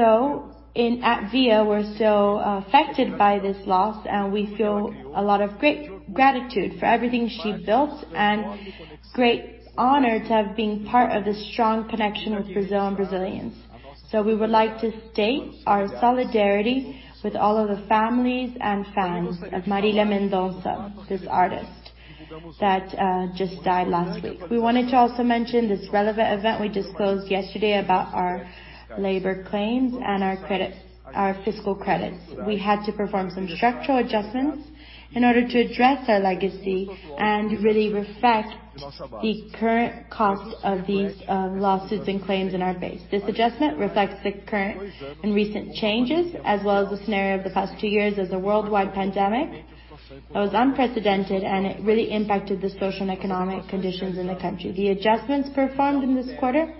At Via, we're so affected by this loss, and we feel a lot of great gratitude for everything she built and great honor to have been part of this strong connection with Brazil and Brazilians. We would like to state our solidarity with all of the families and fans of Marília Mendonça, this artist that just died last week. We wanted to also mention this relevant event we disclosed yesterday about our labor claims and our fiscal credits. We had to perform some structural adjustments in order to address our legacy and really reflect the current cost of these lawsuits and claims in our base. This adjustment reflects the current and recent changes as well as the scenario of the past two years as a worldwide pandemic that was unprecedented, and it really impacted the social and economic conditions in the country. The adjustments performed in this quarter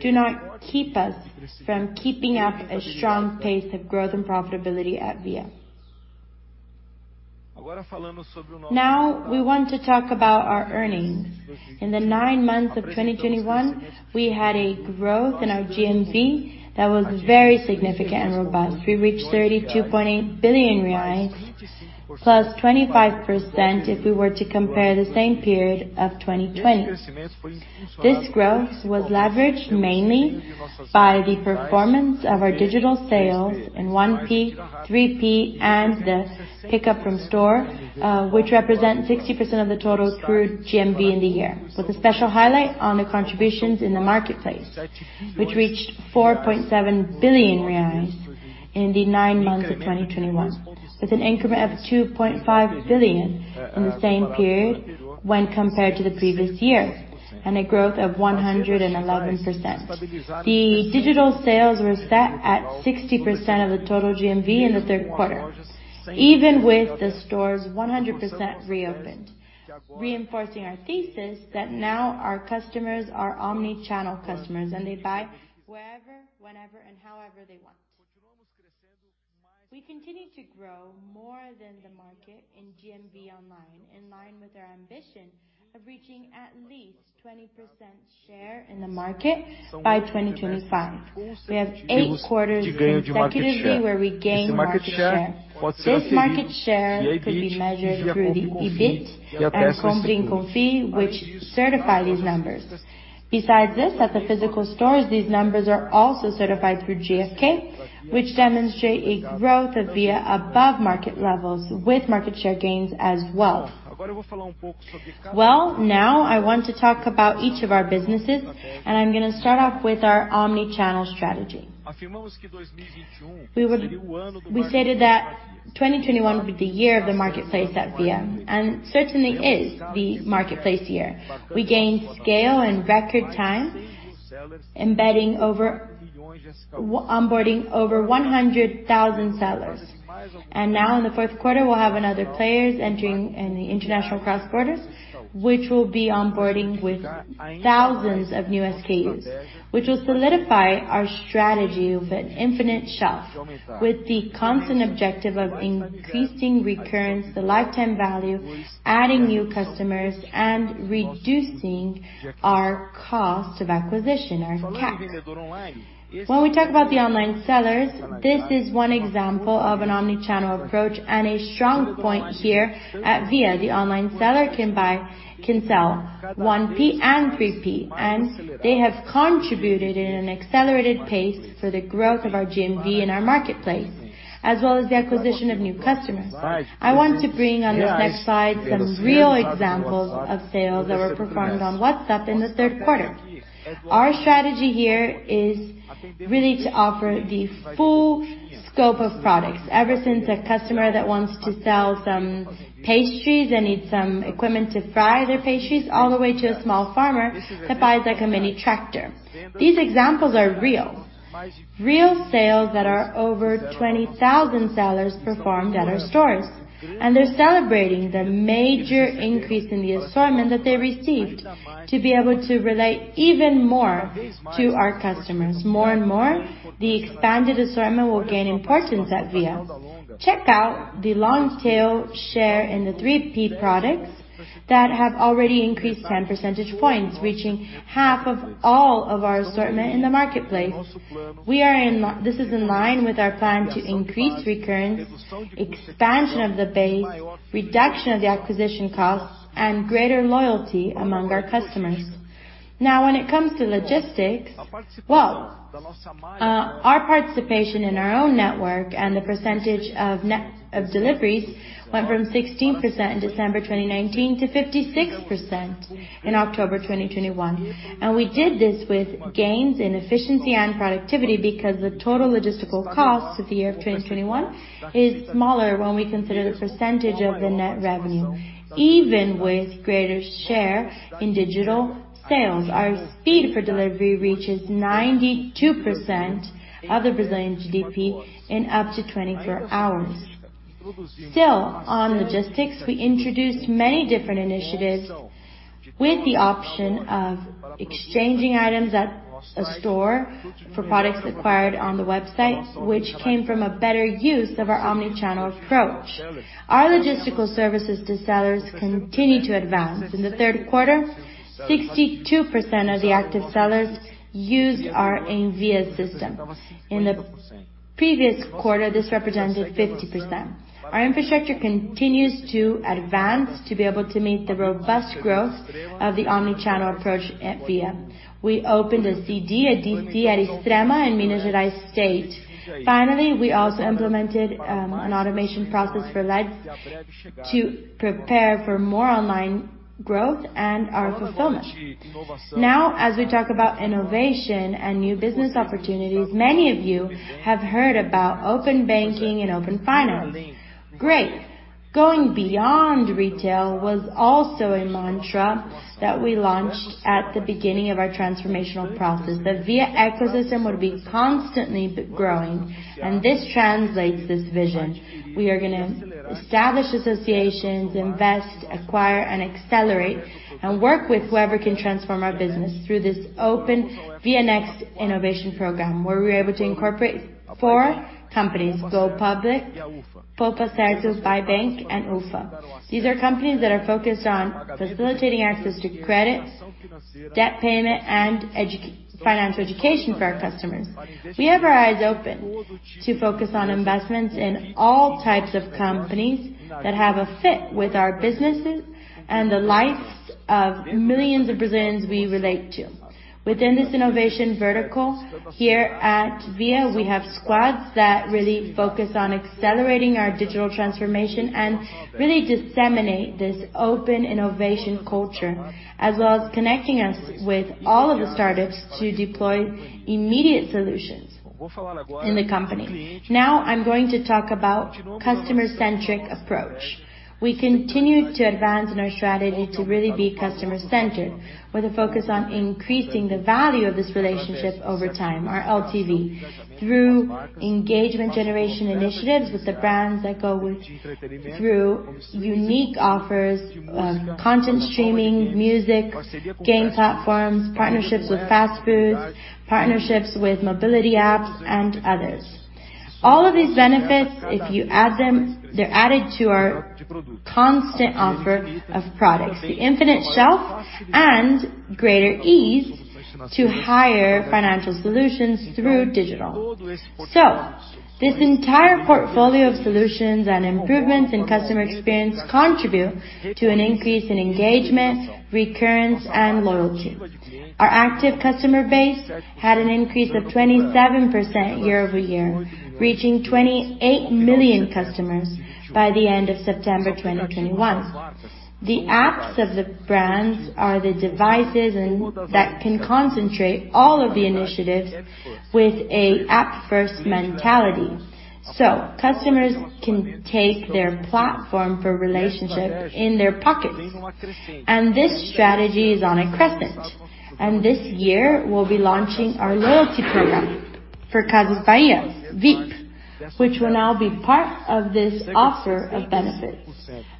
do not keep us from keeping up a strong pace of growth and profitability at Via. Now we want to talk about our earnings. In the nine months of 2021, we had a growth in our GMV that was very significant and robust. We reached 32.8 billion reais, +25% if we were to compare the same period of 2020. This growth was leveraged mainly by the performance of our digital sales in 1P, 3P and the pickup from store, which represent 60% of the total through GMV in the year, with a special highlight on the contributions in the marketplace, which reached 4.7 billion reais in the nine months of 2021. It's an increment of 2.5 billion in the same period when compared to the previous year and a growth of 111%. The digital sales were set at 60% of the total GMV in the third quarter, even with the stores 100% reopened, reinforcing our thesis that now our customers are omni-channel customers, and they buy wherever, whenever, and however they want. We continue to grow more than the market in GMV online, in line with our ambition of reaching at least 20% share in the market by 2025. We have eight quarters consecutively where we gained market share. This market share could be measured through the EBIT and Compre & Confie, which certify these numbers. Besides this, at the physical stores, these numbers are also certified through GfK, which demonstrate a growth of Via above market levels with market share gains as well. Well, now I want to talk about each of our businesses, and I'm gonna start off with our omni-channel strategy. We stated that 2021 would be the year of the marketplace at Via and certainly is the marketplace year. We gained scale in record time, onboarding over 100,000 sellers. Now in the fourth quarter, we'll have other players entering in the international cross-border, which will be onboarding with thousands of new SKUs, which will solidify our strategy of an infinite shelf with the constant objective of increasing recurrence, the lifetime value, adding new customers, and reducing our cost of acquisition, our CAC. When we talk about the online sellers, this is one example of an omni-channel approach and a strong point here at Via. The online seller can sell 1P and 3P, and they have contributed at an accelerated pace for the growth of our GMV in our marketplace, as well as the acquisition of new customers. I want to bring on this next slide some real examples of sales that were performed on WhatsApp in the third quarter. Our strategy here is really to offer the full scope of products ever since a customer that wants to sell some pastries and needs some equipment to fry their pastries all the way to a small farmer that buys like a mini tractor. These examples are real. Real sales that are over 20,000 sellers performed at our stores, and they're celebrating the major increase in the assortment that they received to be able to relate even more to our customers. More and more, the expanded assortment will gain importance at Via. Check out the long tail share in the 3P products that have already increased 10 percentage points, reaching half of all of our assortment in the marketplace. This is in line with our plan to increase recurrence, expansion of the base, reduction of the acquisition costs, and greater loyalty among our customers. Now, when it comes to logistics, well, our participation in our own network and the percentage of deliveries went from 16% in December 2019 to 56% in October 2021. We did this with gains in efficiency and productivity because the total logistical costs of the year of 2021 is smaller when we consider the percentage of the net revenue, even with greater share in digital sales. Our speed for delivery reaches 92% of the Brazilian GDP in up to 24 hours. Still on logistics, we introduced many different initiatives with the option of exchanging items at a store for products acquired on the website, which came from a better use of our omni-channel approach. Our logistical services to sellers continue to advance. In the third quarter, 62% of the active sellers use our Envvias system. In the previous quarter, this represented 50%. Our infrastructure continues to advance to be able to meet the robust growth of the omni-channel approach at Via. We opened a CD, a DC at Extrema in Minas Gerais state. Finally, we also implemented an automation process for leads to prepare for more online growth and our fulfillment. Now, as we talk about innovation and new business opportunities, many of you have heard about open banking and open finance. Great. Going beyond retail was also a mantra that we launched at the beginning of our transformational process, the Via ecosystem would be constantly growing, and this translates this vision. We are gonna establish associations, invest, acquire, and accelerate, and work with whoever can transform our business through this open Via Next innovation program, where we're able to incorporate four companies: GoPublic, Poupa Certo, byebnk, and Uffa. These are companies that are focused on facilitating access to credit, debt payment, and financial education for our customers. We have our eyes open to focus on investments in all types of companies that have a fit with our businesses and the lives of millions of Brazilians we relate to. Within this innovation vertical here at Via, we have squads that really focus on accelerating our digital transformation and really disseminate this open innovation culture, as well as connecting us with all of the startups to deploy immediate solutions in the company. Now I'm going to talk about customer-centric approach. We continue to advance in our strategy to really be customer-centered with a focus on increasing the value of this relationship over time, our LTV, through engagement generation initiatives through unique offers, content streaming, music, game platforms, partnerships with fast foods, partnerships with mobility apps, and others. All of these benefits, if you add them, they're added to our constant offer of products, the infinite shelf and greater ease to higher financial solutions through digital. This entire portfolio of solutions and improvements in customer experience contribute to an increase in engagement, recurrence, and loyalty. Our active customer base had an increase of 27% year-over-year, reaching 28 million customers by the end of September 2021. The apps of the brands are the devices that can concentrate all of the initiatives with a app-first mentality, so customers can take their platform for relationship in their pockets. This strategy is on the ascent. This year, we'll be launching our loyalty program for Casas Bahia, VIP Casas Bahia, which will now be part of this offer of benefits.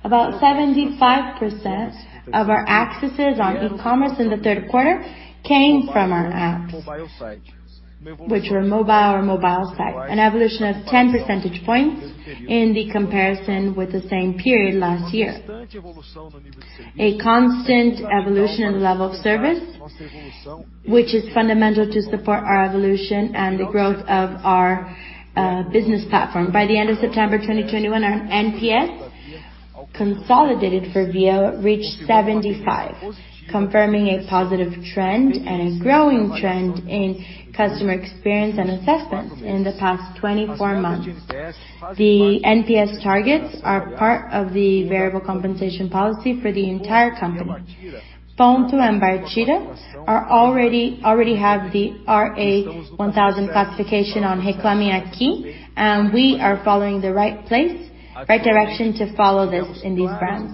About 75% of our accesses on e-commerce in the third quarter came from our apps, which were mobile or mobile site, an evolution of 10 percentage points in the comparison with the same period last year. A constant evolution in the level of service, which is fundamental to support our evolution and the growth of our business platform. By the end of September 2021, our NPS consolidated for Via reached 75%, confirming a positive trend and a growing trend in customer experience and assessments in the past 24 months. The NPS targets are part of the variable compensation policy for the entire company. Ponto and Casas Bahia already have the RA 1000 classification on Reclame AQUI, and we are following the right direction to follow this in these brands.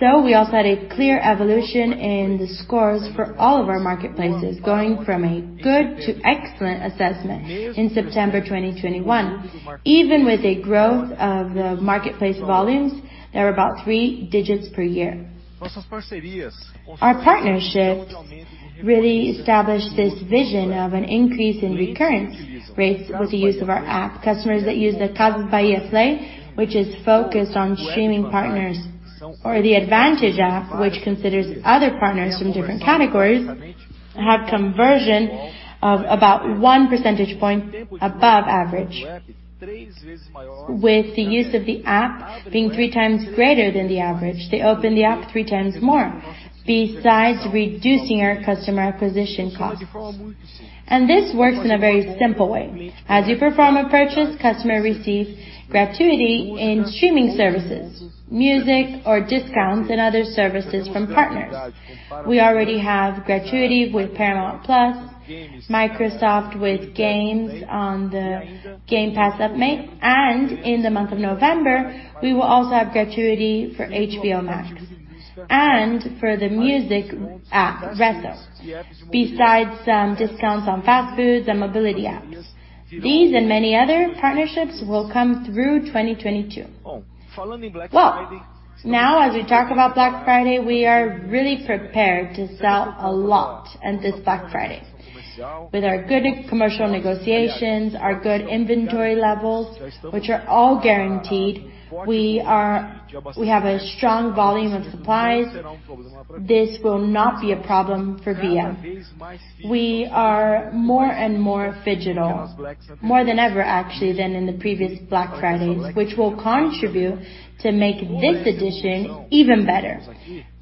We also had a clear evolution in the scores for all of our marketplaces, going from a good to excellent assessment in September 2021, even with a growth of the marketplace volumes that were about three digits per year. Our partnerships really established this vision of an increase in recurrence rates with the use of our app. Customers that use the Casas Bahia app, which is focused on streaming partners, or the advantage app, which considers other partners from different categories, have conversion of about 1 percentage point above average. With the use of the app being 3x greater than the average, they open the app 3x more, besides reducing our customer acquisition costs. This works in a very simple way. As you perform a purchase, customer receives gratuity in streaming services, music, or discounts in other services from partners. We already have gratuity with Paramount+, Microsoft with games on the Game Pass Ultimate, and in the month of November, we will also have gratuity for HBO Max. For the music app, Resso, besides some discounts on fast foods and mobility apps. These and many other partnerships will come through 2022. Well, now as we talk about Black Friday, we are really prepared to sell a lot in this Black Friday. With our good commercial negotiations, our good inventory levels, which are all guaranteed, we have a strong volume of supplies. This will not be a problem for Via. We are more and more phygital, more than ever actually than in the previous Black Fridays, which will contribute to make this edition even better.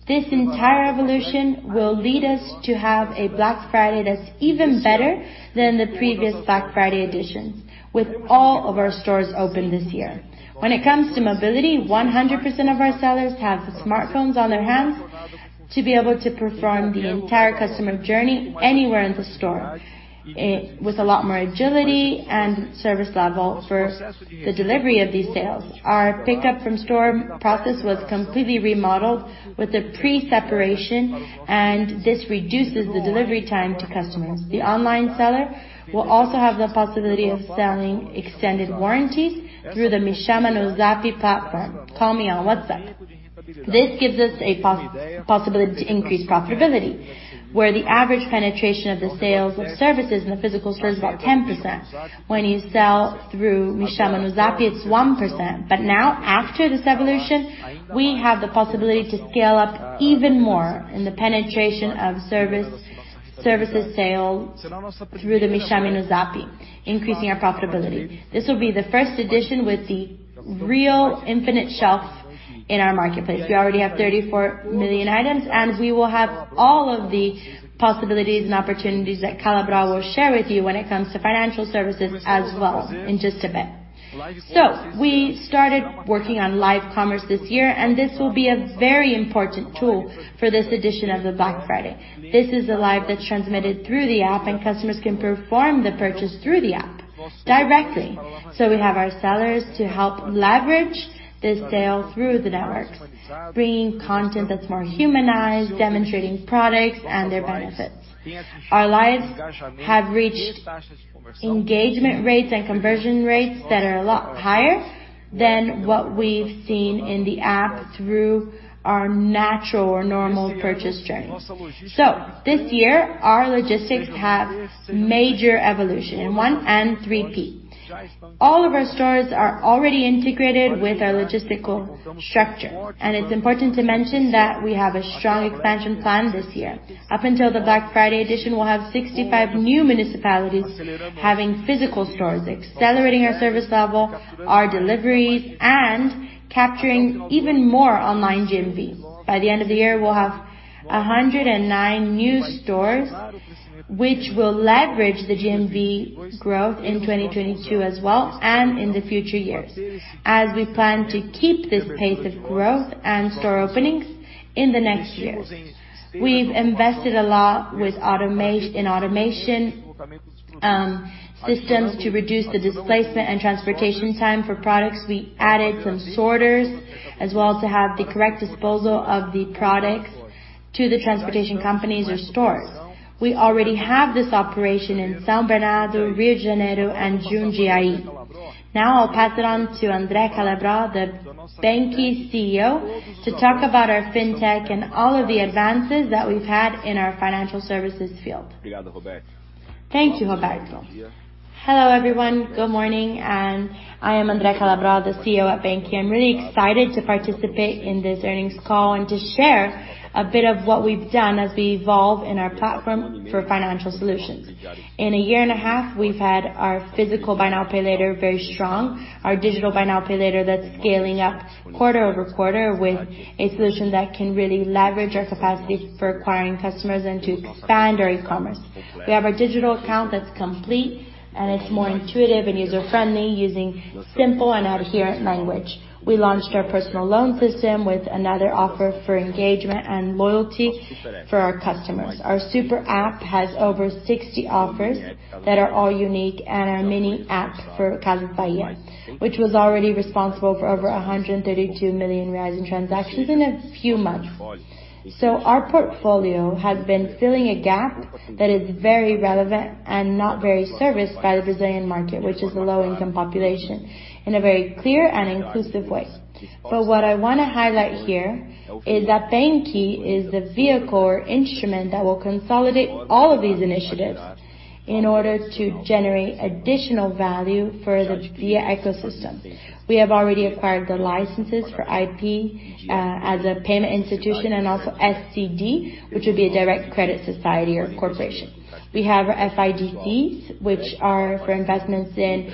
This entire evolution will lead us to have a Black Friday that's even better than the previous Black Friday editions, with all of our stores open this year. When it comes to mobility, 100% of our sellers have the smartphones on their hands to be able to perform the entire customer journey anywhere in the store with a lot more agility and service level for the delivery of these sales. Our pickup from store process was completely remodeled with the pre-separation, and this reduces the delivery time to customers. The online seller will also have the possibility of selling extended warranties through the Me Chama no Zap platform. Call me on WhatsApp. This gives us a possibility to increase profitability, where the average penetration of the sales of services in the physical store is about 10%. When you sell through Me Chama no Zap, it's 1%. Now, after this evolution, we have the possibility to scale up even more in the penetration of service, services sale through the Me Chama no Zap, increasing our profitability. This will be the first edition with the real infinite shelf in our marketplace. We already have 34 million items, and we will have all of the possibilities and opportunities that Calabro will share with you when it comes to financial services as well in just a bit. We started working on live commerce this year, and this will be a very important tool for this edition of the Black Friday. This is a live that's transmitted through the app, and customers can perform the purchase through the app directly. We have our sellers to help leverage this sale through the networks, bringing content that's more humanized, demonstrating products and their benefits. Our lives have reached engagement rates and conversion rates that are a lot higher than what we've seen in the app through our natural or normal purchase journey. This year, our logistics have major evolution in 1P and 3P. All of our stores are already integrated with our logistical structure, and it's important to mention that we have a strong expansion plan this year. Up until the Black Friday edition, we'll have 65 new municipalities having physical stores, accelerating our service level, our deliveries, and capturing even more online GMV. By the end of the year, we'll have 109 new stores which will leverage the GMV growth in 2022 as well and in the future years, as we plan to keep this pace of growth and store openings in the next years. We've invested a lot in automation systems to reduce the displacement and transportation time for products. We added some sorters as well to have the correct disposal of the products to the transportation companies or stores. We already have this operation in São Bernardo, Rio de Janeiro, and Jundiaí. Now, I'll pass it on to André Calabro, the banQi CEO, to talk about our fintech and all of the advances that we've had in our financial services field. Thank you, Roberto. Hello, everyone. Good morning. I am André Calabro, the CEO at banQi. I'm really excited to participate in this earnings call and to share a bit of what we've done as we evolve in our platform for financial solutions. In a year and a half, we've had our physical buy now, pay later very strong. Our digital buy now, pay later that's scaling up quarter-over-quarter with a solution that can really leverage our capacity for acquiring customers and to expand our e-commerce. We have our digital account that's complete, and it's more intuitive and user-friendly using simple and adherent language. We launched our personal loan system with another offer for engagement and loyalty for our customers. Our super app has over 60 offers that are all unique and our mini app for Casas Bahia, which was already responsible for over 132 million rising transactions in a few months. Our portfolio has been filling a gap that is very relevant and not very serviced by the Brazilian market, which is a low-income population, in a very clear and inclusive way. What I wanna highlight here is that banQi is the vehicle or instrument that will consolidate all of these initiatives in order to generate additional value for the Via ecosystem. We have already acquired the licenses for IP as a payment institution and also SCD, which would be a direct credit society or corporation. We have our FIDCs, which are for investments in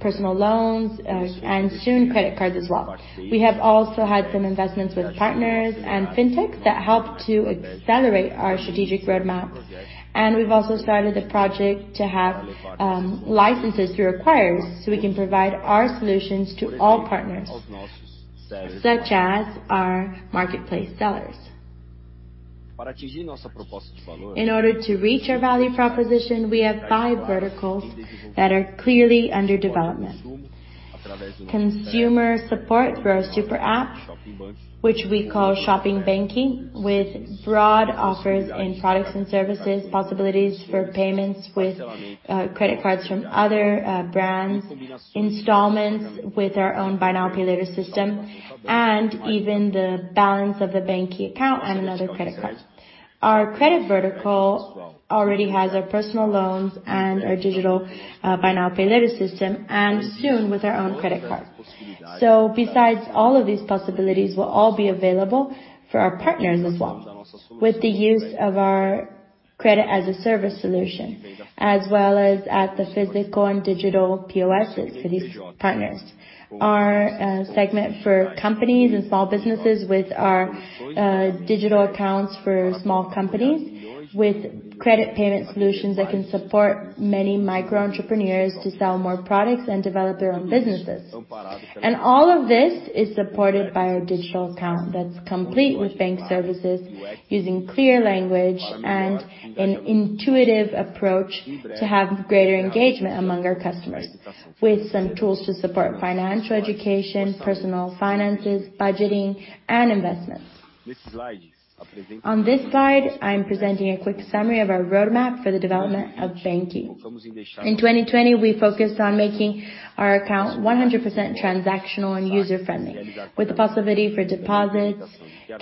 personal loans and soon credit cards as well. We have also had some investments with partners and fintech that help to accelerate our strategic roadmap. We've also started a project to have licenses through acquirers, so we can provide our solutions to all partners, such as our marketplace sellers. In order to reach our value proposition, we have five verticals that are clearly under development. Consumer support through our super app, which we call Shopping banQi, with broad offers in products and services, possibilities for payments with credit cards from other brands, installments with our own buy now, pay later system, and even the balance of the BanQi account and another credit card. Our credit vertical already has our personal loans and our digital buy now, pay later system, and soon with our own credit card. Besides all of these possibilities will all be available for our partners as well, with the use of our credit as a service solution, as well as at the physical and digital POSs for these partners. Our segment for companies and small businesses with our digital accounts for small companies with credit payment solutions that can support many micro entrepreneurs to sell more products and develop their own businesses. All of this is supported by our digital account that's complete with bank services using clear language and an intuitive approach to have greater engagement among our customers, with some tools to support financial education, personal finances, budgeting, and investments. On this slide, I'm presenting a quick summary of our roadmap for the development of banQi. In 2020, we focused on making our account 100% transactional and user-friendly, with the possibility for deposits,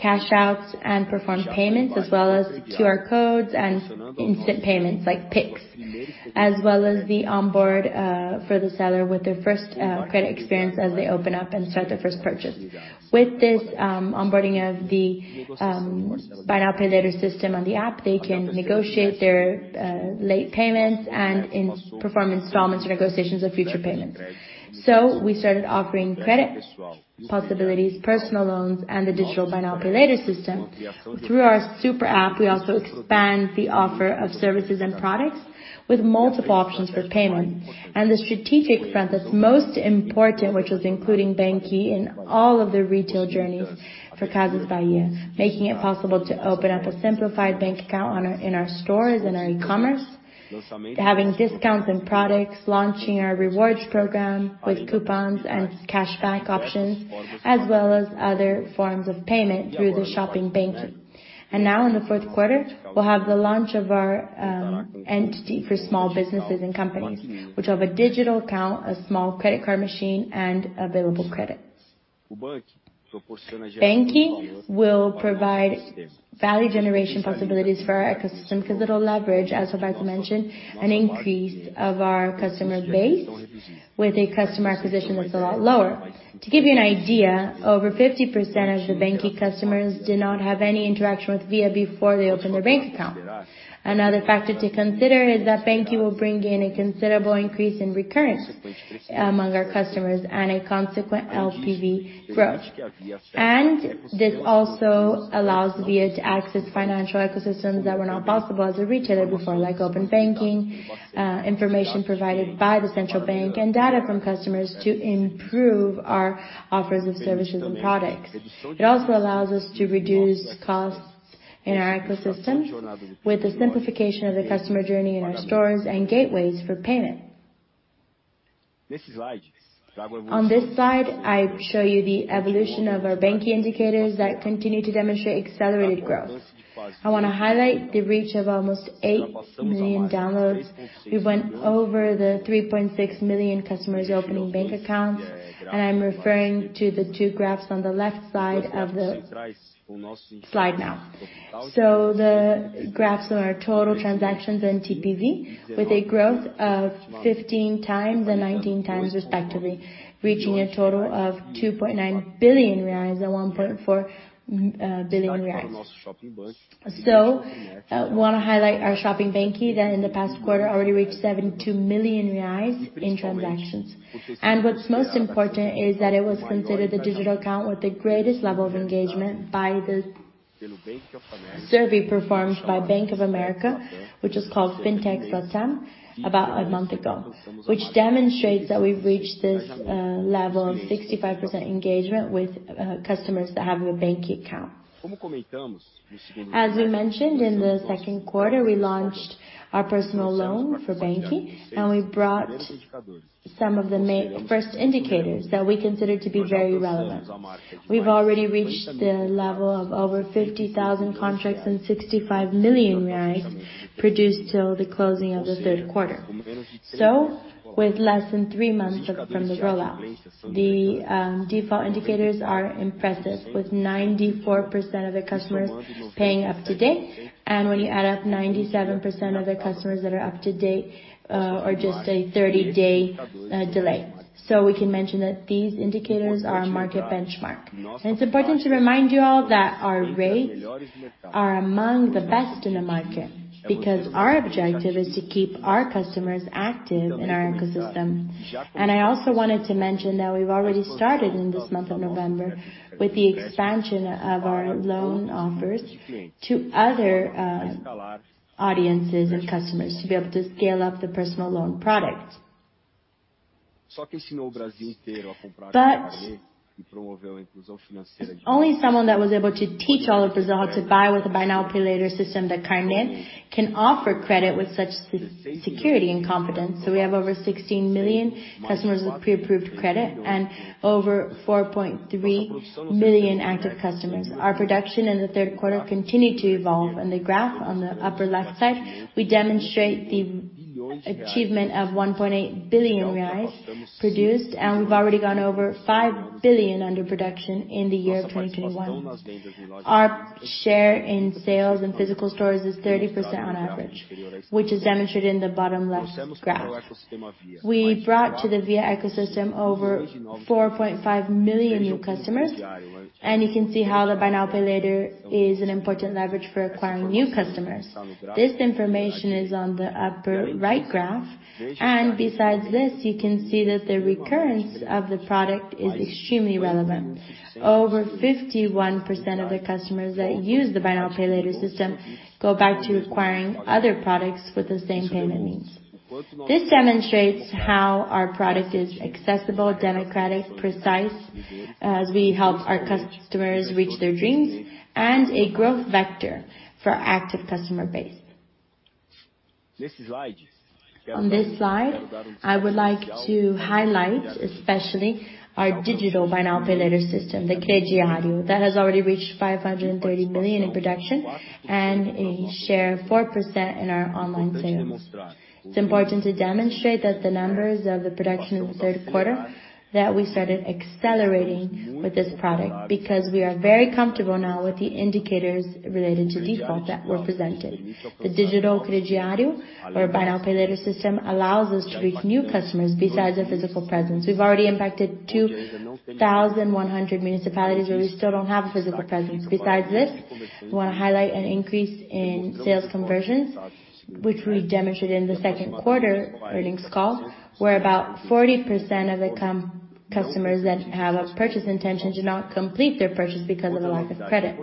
cash outs, and perform payments as well as QR codes and instant payments like Pix, as well as the onboarding for the seller with their first credit experience as they open up and start their first purchase. With this onboarding of the buy now, pay later system on the app, they can negotiate their late payments and perform installments or negotiations of future payments. We started offering credit possibilities, personal loans, and the digital buy now, pay later system. Through our super app, we also expand the offer of services and products with multiple options for payment. The strategic front that's most important, which was including banQi in all of the retail journeys for Casas Bahia, making it possible to open up a simplified bank account in our stores and our e-commerce, having discounts on products, launching our rewards program with coupons and cashback options, as well as other forms of payment through the Shopping banQi. Now in the fourth quarter, we'll have the launch of our entity for small businesses and companies, which have a digital account, a small credit card machine, and available credit. banQi will provide value generation possibilities for our ecosystem 'cause it'll leverage, as Roberto mentioned, an increase of our customer base with a customer acquisition that's a lot lower. To give you an idea, over 50% of the banQi customers did not have any interaction with Via before they opened their bank account. Another factor to consider is that banQi will bring in a considerable increase in recurrence among our customers and a consequent LTV growth. This also allows Via to access financial ecosystems that were not possible as a retailer before, like open banking, information provided by the central bank and data from customers to improve our offers of services and products. It also allows us to reduce costs in our ecosystem with the simplification of the customer journey in our stores and gateways for payment. On this slide, I show you the evolution of our banQi indicators that continue to demonstrate accelerated growth. I wanna highlight the reach of almost 8 million downloads. We went over the 3.6 million customers opening bank accounts, and I'm referring to the two graphs on the left side of the slide now. The graphs are our total transactions and TPV with a growth of 15x and 19x respectively, reaching a total of 2.9 billion reais and 1.4 billion reais. Wanna highlight our Shopping banQi that in the past quarter already reached 72 million reais in transactions. What's most important is that it was considered the digital account with the greatest level of engagement by the survey performed by Bank of America, which is called Fintechs LATAM about a month ago, which demonstrates that we've reached this level of 65% engagement with customers that have a banQi account. As we mentioned in the second quarter, we launched our personal loan for banQi, and we brought some of the first indicators that we consider to be very relevant. We've already reached the level of over 50,000 contracts and 65 million reais produced till the closing of the third quarter. With less than three months from the rollout, the default indicators are impressive, with 94% of the customers paying up to date. When you add up 97% of the customers that are up to date or just a 30-day delay. We can mention that these indicators are a market benchmark. It's important to remind you all that our rates are among the best in the market because our objective is to keep our customers active in our ecosystem. I also wanted to mention that we've already started in this month of November with the expansion of our loan offers to other audiences and customers to be able to scale up the personal loan product. I can see no one in Brazil here but only someone that was able to teach all of Brazil to buy with a buy now, pay later system that Carnê can offer credit with such security and confidence. We have over 16 million customers with pre-approved credit and over 4.3 million active customers. Our production in the third quarter continued to evolve. In the graph on the upper left side, we demonstrate the achievement of 1.8 billion produced, and we've already gone over 5 billion in production in the year 2021. Our share in sales and physical stores is 30% on average, which is demonstrated in the bottom left graph. We brought to the Via ecosystem over 4.5 million new customers, and you can see how the buy now, pay later is an important leverage for acquiring new customers. This information is on the upper right graph. Besides this, you can see that the recurrence of the product is extremely relevant. Over 51% of the customers that use the buy now, pay later system go back to acquiring other products with the same payment means. This demonstrates how our product is accessible, democratic, precise as we help our customers reach their dreams, and a growth vector for our active customer base. On this slide, I would like to highlight especially our digital buy now, pay later system, the crediário, that has already reached 530 million in production and a share of 4% in our online sales. It's important to demonstrate that the numbers of the production in the third quarter that we started accelerating with this product because we are very comfortable now with the indicators related to default that were presented. The digital crediário or buy now, pay later system allows us to reach new customers besides the physical presence. We've already impacted 2,100 municipalities where we still don't have a physical presence. Besides this, we wanna highlight an increase in sales conversions, which we demonstrated in the second quarter earnings call, where about 40% of the customers that have a purchase intention do not complete their purchase because of the lack of credit.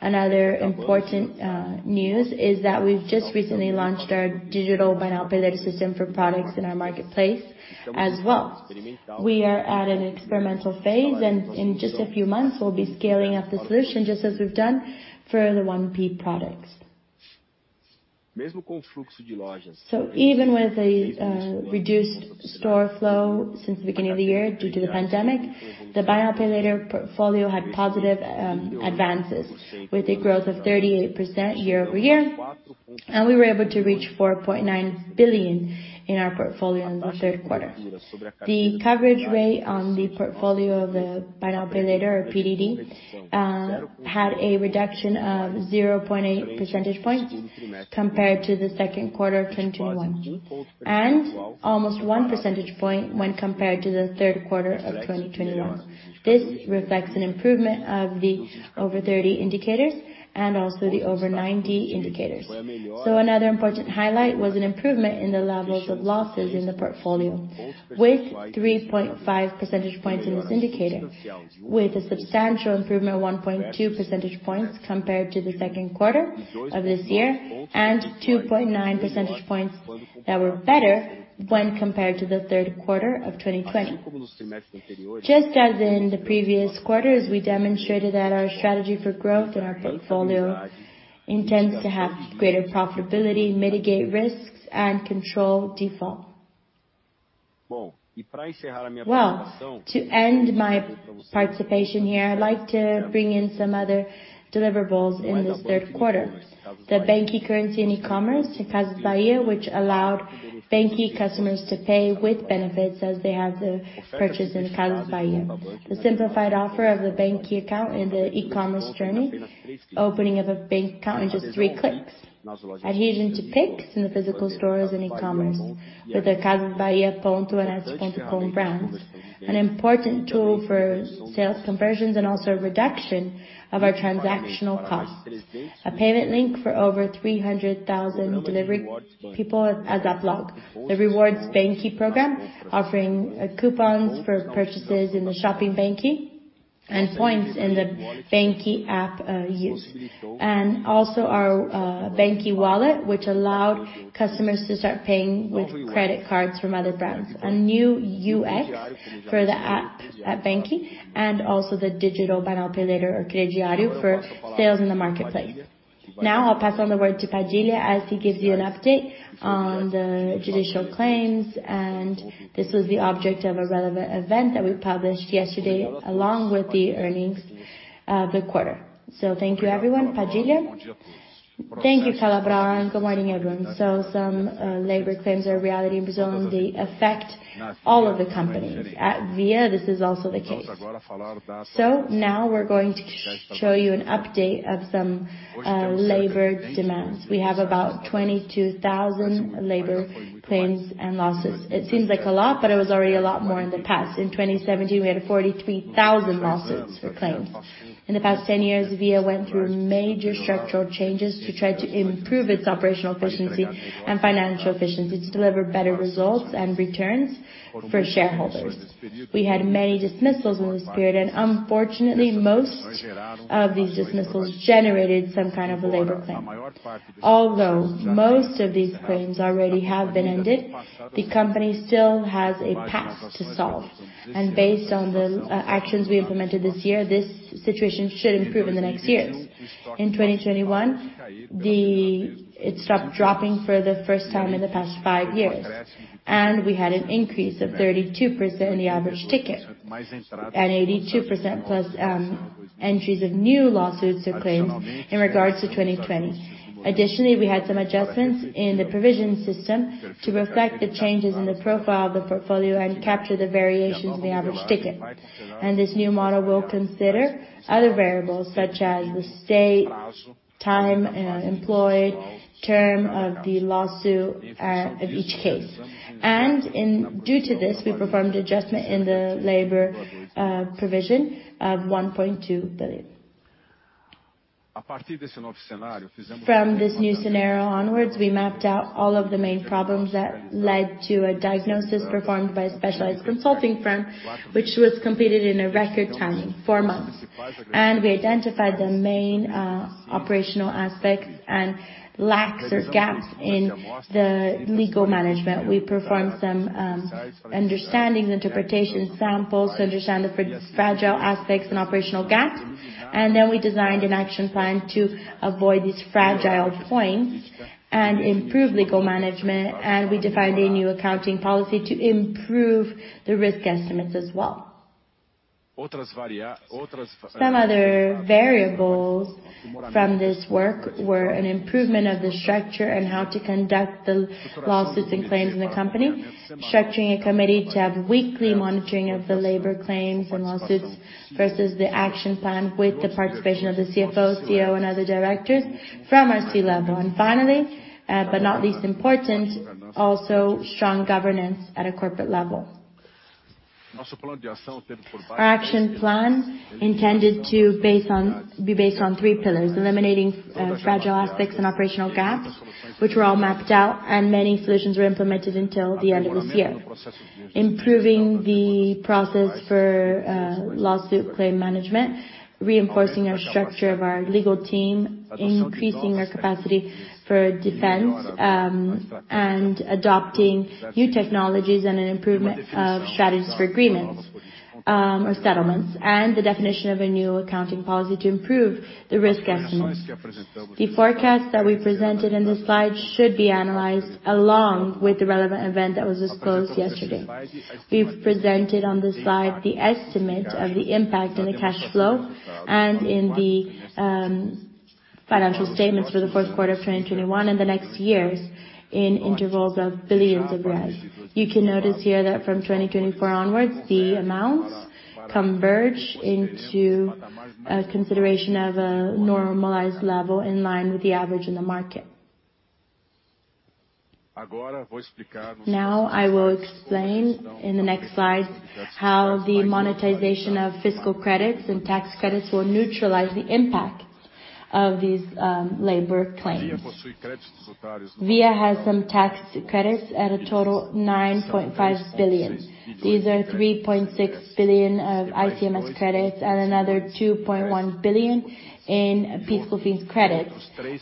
Another important news is that we've just recently launched our digital buy now, pay later system for products in our marketplace as well. We are at an experimental phase, and in just a few months, we'll be scaling up the solution just as we've done for the 1P products. Even with a reduced store flow since the beginning of the year due to the pandemic, the buy now, pay later portfolio had positive advances with a growth of 38% year-over-year, and we were able to reach 4.9 billion in our portfolio in the third quarter. The coverage rate on the portfolio of the buy now, pay later or PDD had a reduction of 0.8 percentage points compared to the second quarter of 2021. Almost 1 percentage point when compared to the third quarter of 2021. This reflects an improvement of the over-30 indicators and also the over-90 indicators. Another important highlight was an improvement in the levels of losses in the portfolio with 3.5 percentage points in this indicator. With a substantial improvement of 1.2 percentage points compared to the second quarter of this year and 2.9 percentage points that were better when compared to the third quarter of 2020. Just as in the previous quarters, we demonstrated that our strategy for growth in our portfolio intends to have greater profitability, mitigate risks, and control default. Well, to end my participation here, I'd like to bring in some other deliverables in this third quarter. The banQi currency and e-commerce at Casas Bahia, which allowed banQi customers to pay with benefits as they make purchases in Casas Bahia. The simplified offer of the banQi account in the e-commerce journey, opening up a bank account in just three clicks. Adoption of Pix in the physical stores and e-commerce with the Casas Bahia, Ponto, and Extra home brands, an important tool for sales conversions and also a reduction of our transactional costs. A payment link for over 300,000 delivery people at ASAPLog. The Rewards banQi program offering coupons for purchases in the Shopping banQi and points in the banQi app for use. Our banQi wallet, which allowed customers to start paying with credit cards from other brands. A new UX for the app at banQi, and also the digital buy now, pay later or Crediário for sales in the marketplace. Now I'll pass on the word to Padilha as he gives you an update on the judicial claims, and this was the object of a relevant event that we published yesterday along with the earnings, the quarter. Thank you, everyone. Padilha. Thank you, Calabro. Good morning, everyone. Some labor claims are a reality in Brazil, and they affect all of the companies. At Via, this is also the case. Now we're going to show you an update of some labor demands. We have about 22,000 labor claims and lawsuits. It seems like a lot, but it was already a lot more in the past. In 2017, we had 43,000 lawsuits for claims. In the past 10 years, Via went through major structural changes to try to improve its operational efficiency and financial efficiency to deliver better results and returns for shareholders. We had many dismissals in this period, and unfortunately, most of these dismissals generated some kind of a labor claim. Although most of these claims already have been ended, the company still has a path to solve. Based on the actions we implemented this year, this situation should improve in the next years. In 2021, it stopped dropping for the first time in the past five years. We had an increase of 32% in the average ticket. 82%+ entries of new lawsuits or claims in regards to 2020. Additionally, we had some adjustments in the provision system to reflect the changes in the profile of the portfolio and capture the variations in the average ticket. This new model will consider other variables such as the state, time employed, term of the lawsuit, of each case. Due to this, we performed adjustment in the labor provision of BRL 1.2 billion. From this new scenario onwards, we mapped out all of the main problems that led to a diagnosis performed by a specialized consulting firm, which was completed in a record time, four months. We identified the main operational aspects and lacks or gaps in the legal management. We performed some understanding interpretation samples to understand the fragile aspects and operational gaps. We designed an action plan to avoid these fragile points and improve legal management, and we defined a new accounting policy to improve the risk estimates as well. Some other variables from this work were an improvement of the structure on how to conduct the lawsuits and claims in the company, structuring a committee to have weekly monitoring of the labor claims and lawsuits versus the action plan with the participation of the CFO, CEO, and other directors from our C-level. Finally, but not least important, also strong governance at a corporate level. Our action plan intended to be based on three pillars, eliminating fragile aspects and operational gaps, which were all mapped out, and many solutions were implemented until the end of this year. Improving the process for lawsuit claim management, reinforcing our structure of our legal team, increasing our capacity for defense, and adopting new technologies and an improvement of strategies for agreements, or settlements, and the definition of a new accounting policy to improve the risk estimates. The forecast that we presented in the slide should be analyzed along with the relevant event that was disclosed yesterday. We've presented on the slide the estimate of the impact in the cash flow and in the financial statements for the first quarter of 2021 and the next years in intervals of billions of reais. You can notice here that from 2024 onwards, the amounts converge into a consideration of a normalized level in line with the average in the market. Now, I will explain in the next slides how the monetization of fiscal credits and tax credits will neutralize the impact of these, labor claims. Via has some tax credits at a total 9.5 billion. These are 3.6 billion of ICMS credits and another 2.1 billion in fiscal things credits,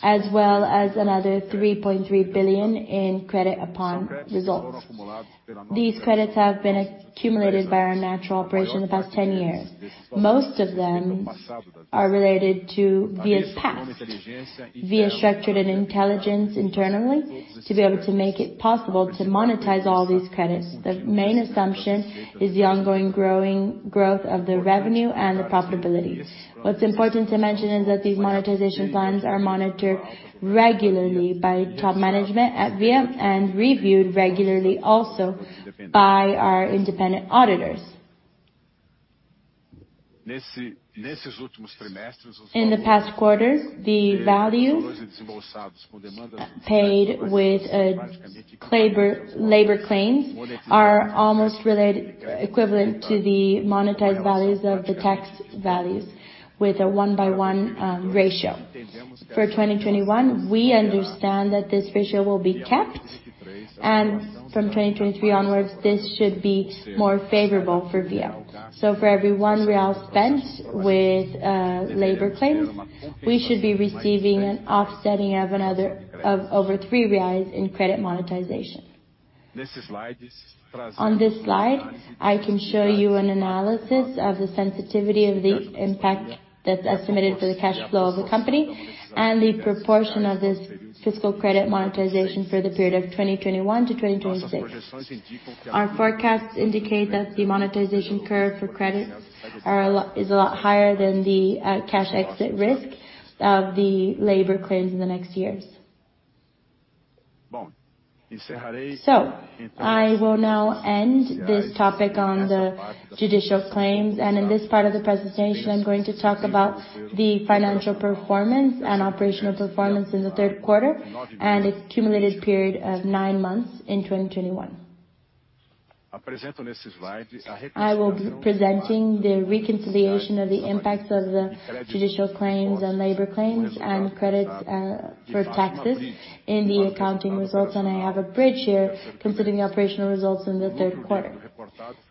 as well as another 3.3 billion in credit upon results. These credits have been accumulated by our normal operations in the past 10 years. Most of them are related to Via's past. Via structured an intelligence internally to be able to make it possible to monetize all these credits. The main assumption is the ongoing growth of the revenue and the profitability. What's important to mention is that these monetization plans are monitored regularly by top management at Via and reviewed regularly also by our independent auditors. In the past quarters, the value paid with labor claims is almost equivalent to the monetized values of the tax values with a one by one ratio. For 2021, we understand that this ratio will be kept, and from 2023 onwards, this should be more favorable for Via. For every 1 real spent with labor claims, we should be receiving an offsetting of another of over 3 reais in credit monetization. On this slide, I can show you an analysis of the sensitivity of the impact that's estimated for the cash flow of the company and the proportion of this fiscal credit monetization for the period of 2021 to 2026. Our forecasts indicate that the monetization curve for credits is a lot higher than the cash exit risk of the labor claims in the next years. I will now end this topic on the judicial claims. In this part of the presentation, I'm going to talk about the financial performance and operational performance in the third quarter and its cumulative period of nine months in 2021. I will be presenting the reconciliation of the impacts of the judicial claims and labor claims and credits for taxes in the accounting results. I have a bridge here considering the operational results in the third quarter.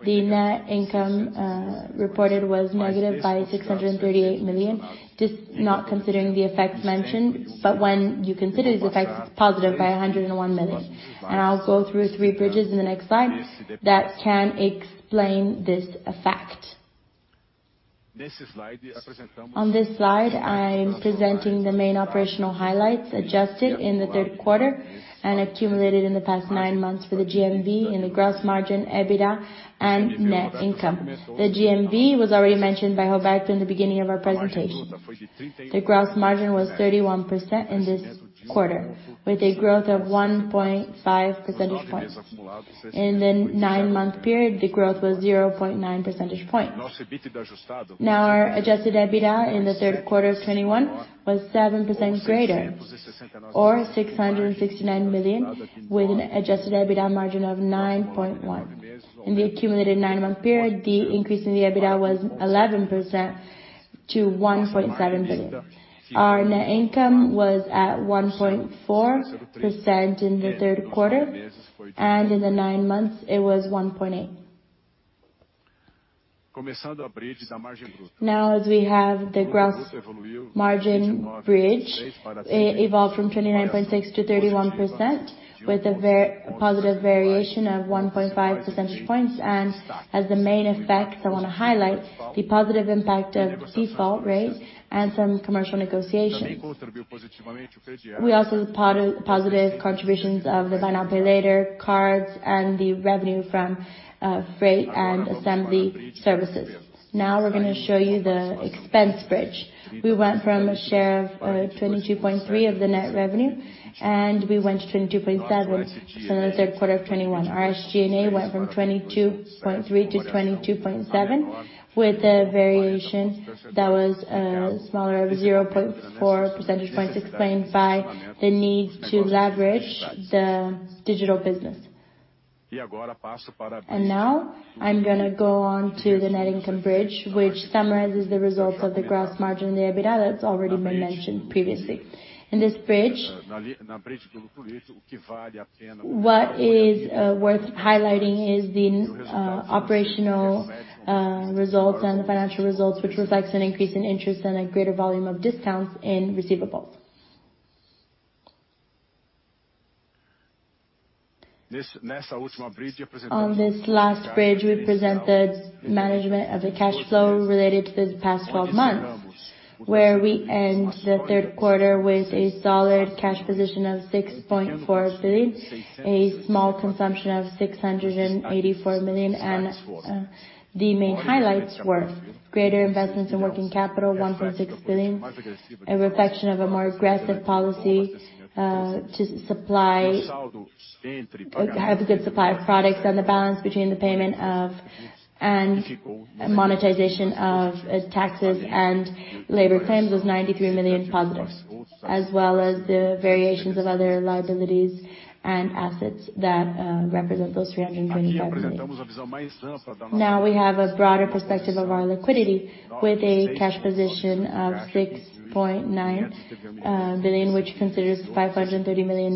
The net income reported was -638 million. Just not considering the effects mentioned, but when you consider the effects, +101 million. I'll go through three bridges in the next slide that can explain this effect. On this slide, I'm presenting the main operational highlights adjusted in the third quarter and accumulated in the past nine months for the GMV in the gross margin, EBITDA and net income. The GMV was already mentioned by Roberto in the beginning of our presentation. The gross margin was 31% in this quarter, with a growth of 1.5 percentage points. In the nine-month period, the growth was 0.9 percentage points. Now our adjusted EBITDA in the third quarter of 2021 was 7% greater or 669 million, with an adjusted EBITDA margin of 9.1%. In the accumulated nine-month period, the increase in the EBITDA was 11% to 1.7 billion. Our net income was at 1.4% in the third quarter, and in the nine months it was 1.8%. Now, as we have the gross margin bridge, it evolved from 29.6% to 31%, with a positive variation of 1.5 percentage points. As the main effects, I wanna highlight the positive impact of default rates and some commercial negotiations. We also positive contributions of the buy now, pay later cards and the revenue from freight and assembly services. Now we're gonna show you the expense bridge. We went from a share of 22.3% of the net revenue, and we went to 22.7% for the third quarter of 2021. Our SG&A went from 22.3% to 22.7%, with a variation that was smaller of 0.4 percentage points, explained by the need to leverage the digital business. Now I'm gonna go on to the net income bridge, which summarizes the results of the gross margin and the EBITDA that's already been mentioned previously. In this bridge, what is worth highlighting is the operational results and the financial results, which reflects an increase in interest and a greater volume of discounts in receivables. On this last bridge, we present the management of the cash flow related to this past 12 months, where we end the third quarter with a solid cash position of 6.4 billion, a small consumption of 684 million. The main highlights were greater investments in working capital, 1.6 billion, a reflection of a more aggressive policy to have a good supply of products and the balance between the payment of... Monetization of taxes and labor claims was 93 million positive. As well as the variations of other liabilities and assets that represent those 325 million. Now we have a broader perspective of our liquidity with a cash position of 6.9 billion, which considers 530 million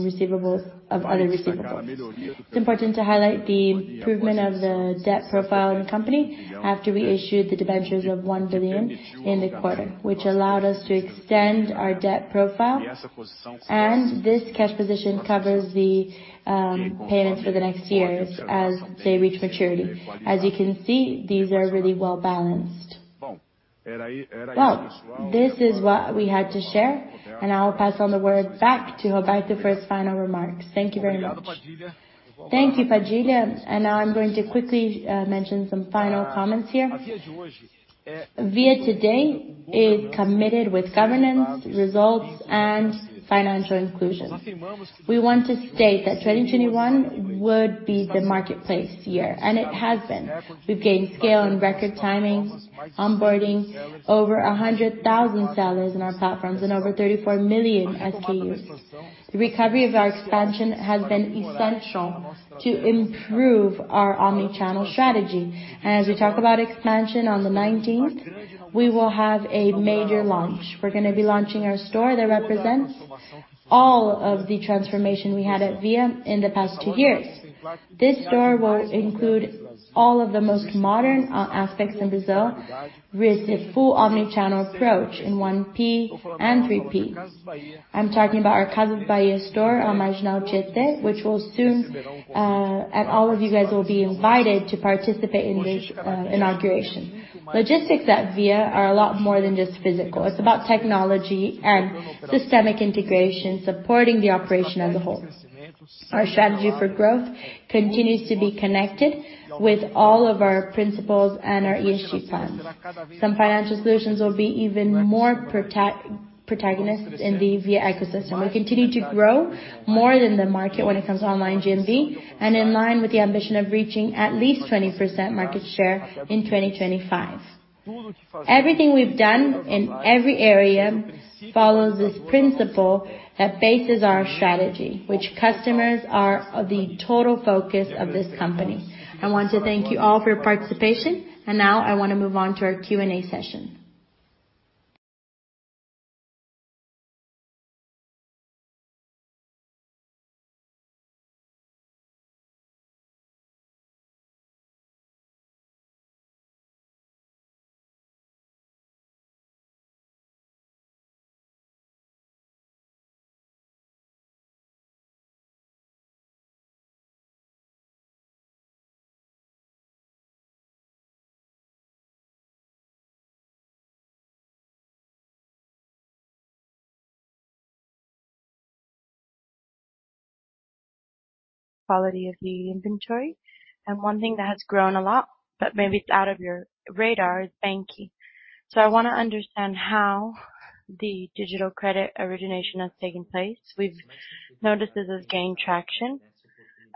of other receivables. It's important to highlight the improvement of the debt profile in the company after we issued the debentures of 1 billion in the quarter, which allowed us to extend our debt profile. This cash position covers the payments for the next years as they reach maturity. As you can see, these are really well-balanced. Well, this is what we had to share, and I will pass on the word back to Roberto for his final remarks. Thank you very much. Thank you, Padilha. Now I'm going to quickly mention some final comments here. Via today is committed with governance, results, and financial inclusion. We want to state that 2021 would be the marketplace year, and it has been. We've gained scale and record timings, onboarding over 100,000 sellers in our platforms and over 34 million SKUs. The recovery of our expansion has been essential to improve our omni-channel strategy. As we talk about expansion on the 19th, we will have a major launch. We're gonna be launching our store that represents all of the transformation we had at Via in the past two years. This store will include all of the most modern aspects in Brazil with a full omni-channel approach in 1P and 3Ps. I'm talking about our Casas Bahia store on Marginal Tietê, which will soon, and all of you guys will be invited to participate in the, inauguration. Logistics at Via are a lot more than just physical. It's about technology and systemic integration supporting the operation as a whole. Our strategy for growth continues to be connected with all of our principals and our ESG plans. Some financial solutions will be even more protagonists in the Via ecosystem. We continue to grow more than the market when it comes to online GMV and in line with the ambition of reaching at least 20% market share in 2025. Everything we've done in every area follows this principle that bases our strategy, which customers are the total focus of this company. I want to thank you all for your participation, and now I wanna move on to our Q&A session. Quality of the inventory. One thing that has grown a lot, but maybe it's out of your radar, is banQi. I wanna understand how the digital credit origination has taken place. We've noticed this has gained traction.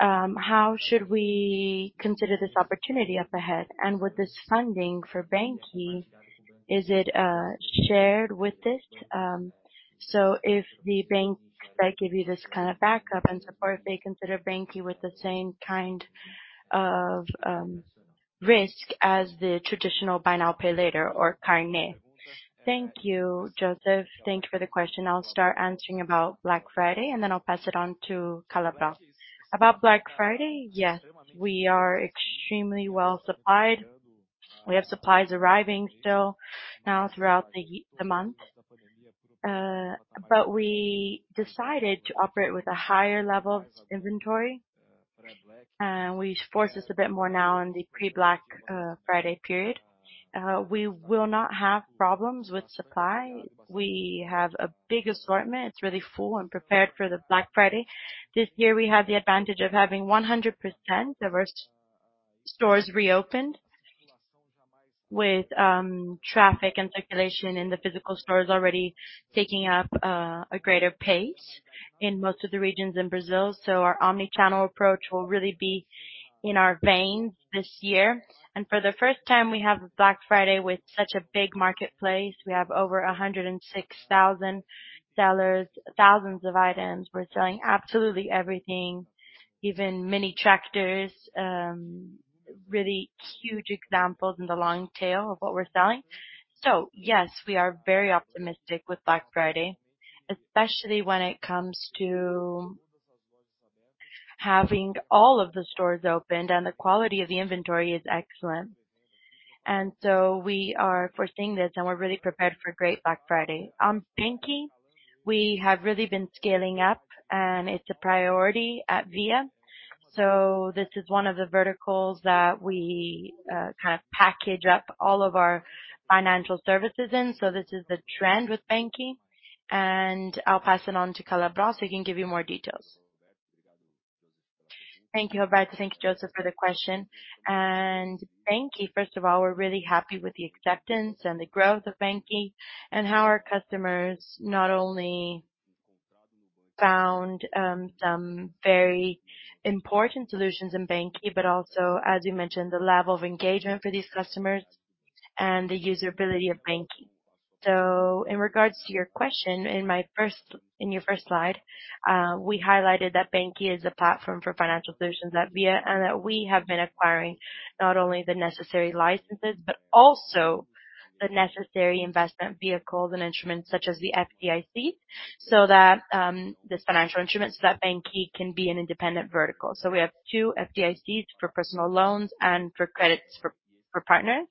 How should we consider this opportunity up ahead? With this funding for banQi, is it shared with this? If the banks that give you this kind of backup and support, they consider banQi with the same kind of risk as the traditional buy now, pay later or Carnê. Thank you, Joseph. Thank you for the question. I'll start answering about Black Friday, and then I'll pass it on to Calabro. About Black Friday, yes, we are extremely well-supplied. We have supplies arriving still now throughout the month. We decided to operate with a higher level of inventory. Which forces a bit more now in the pre-Black Friday period. We will not have problems with supply. We have a big assortment. It's really full and prepared for the Black Friday. This year, we have the advantage of having 100% of our stores reopened with traffic and circulation in the physical stores already taking up a greater pace in most of the regions in Brazil. Our omni-channel approach will really be in our veins this year. For the first time, we have a Black Friday with such a big marketplace. We have over 106,000 sellers, thousands of items. We're selling absolutely everything, even mini tractors, really huge examples in the long tail of what we're selling. Yes, we are very optimistic with Black Friday, especially when it comes to having all of the stores opened, and the quality of the inventory is excellent. We are foreseeing this, and we're really prepared for a great Black Friday. On banQi, we have really been scaling up and it's a priority at Via. This is one of the verticals that we kind of package up all of our financial services in. This is the trend with banQi. I'll pass it on to Calabro, so he can give you more details. Thank you, Roberto. Thank you, Joseph, for the question. banQi, first of all, we're really happy with the acceptance and the growth of banQi and how our customers not only found some very important solutions in banQi, but also, as you mentioned, the level of engagement for these customers and the user ability of banQi. In regards to your question, in your first slide, we highlighted that banQi is a platform for financial solutions at Via, and that we have been acquiring not only the necessary licenses, but also the necessary investment vehicles and instruments such as the FIDC, so that this financial instrument, so that banQi can be an independent vertical. We have two FIDC to personal loans and for credits for partners.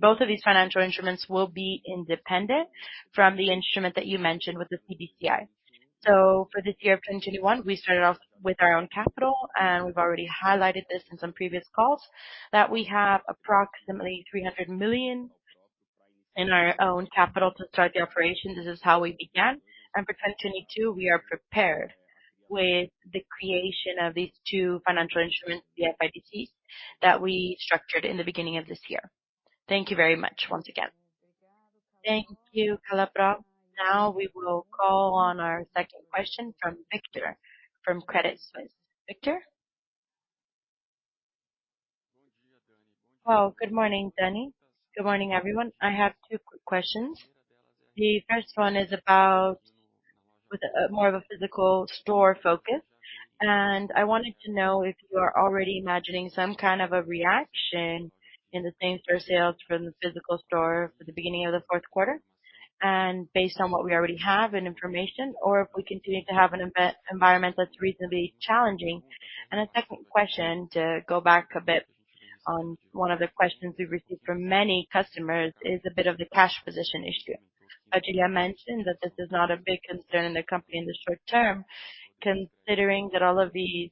Both of these financial instruments will be independent from the instrument that you mentioned with the CDCI. For this year of 2021, we started off with our own capital, and we've already highlighted this in some previous calls, that we have approximately 300 million in our own capital to start the operation. This is how we began. For 2022, we are prepared with the creation of these two financial instruments, the FIDCs, that we structured in the beginning of this year. Thank you very much once again. Thank you, Calabro. Now we will call on our second question from Victor, from Credit Suisse. Victor. Well, good morning, Danny. Good morning, everyone. I have two quick questions. The first one is about with more of a physical store focus. I wanted to know if you are already imagining some kind of a reaction in the same store sales from the physical store for the beginning of the fourth quarter. Based on what we already have and information, or if we continue to have an environment that's reasonably challenging. A second question to go back a bit on one of the questions we've received from many customers is a bit of the cash position issue. Julia mentioned that this is not a big concern in the company in the short term, considering that all of these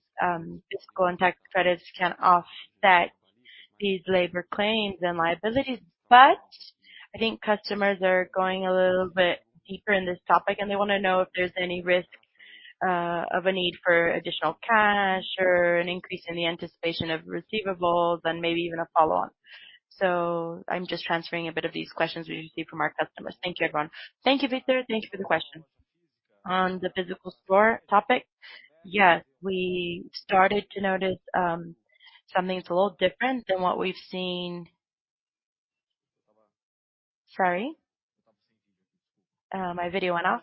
physical and tax credits can offset these labor claims and liabilities. I think customers are going a little bit deeper in this topic, and they wanna know if there's any risk of a need for additional cash or an increase in the anticipation of receivables and maybe even a follow on. I'm just transferring a bit of these questions we received from our customers. Thank you, everyone. Thank you, Victor. Thank you for the question. On the physical store topic, yes, we started to notice, something's a little different than what we've seen. Sorry. My video went off.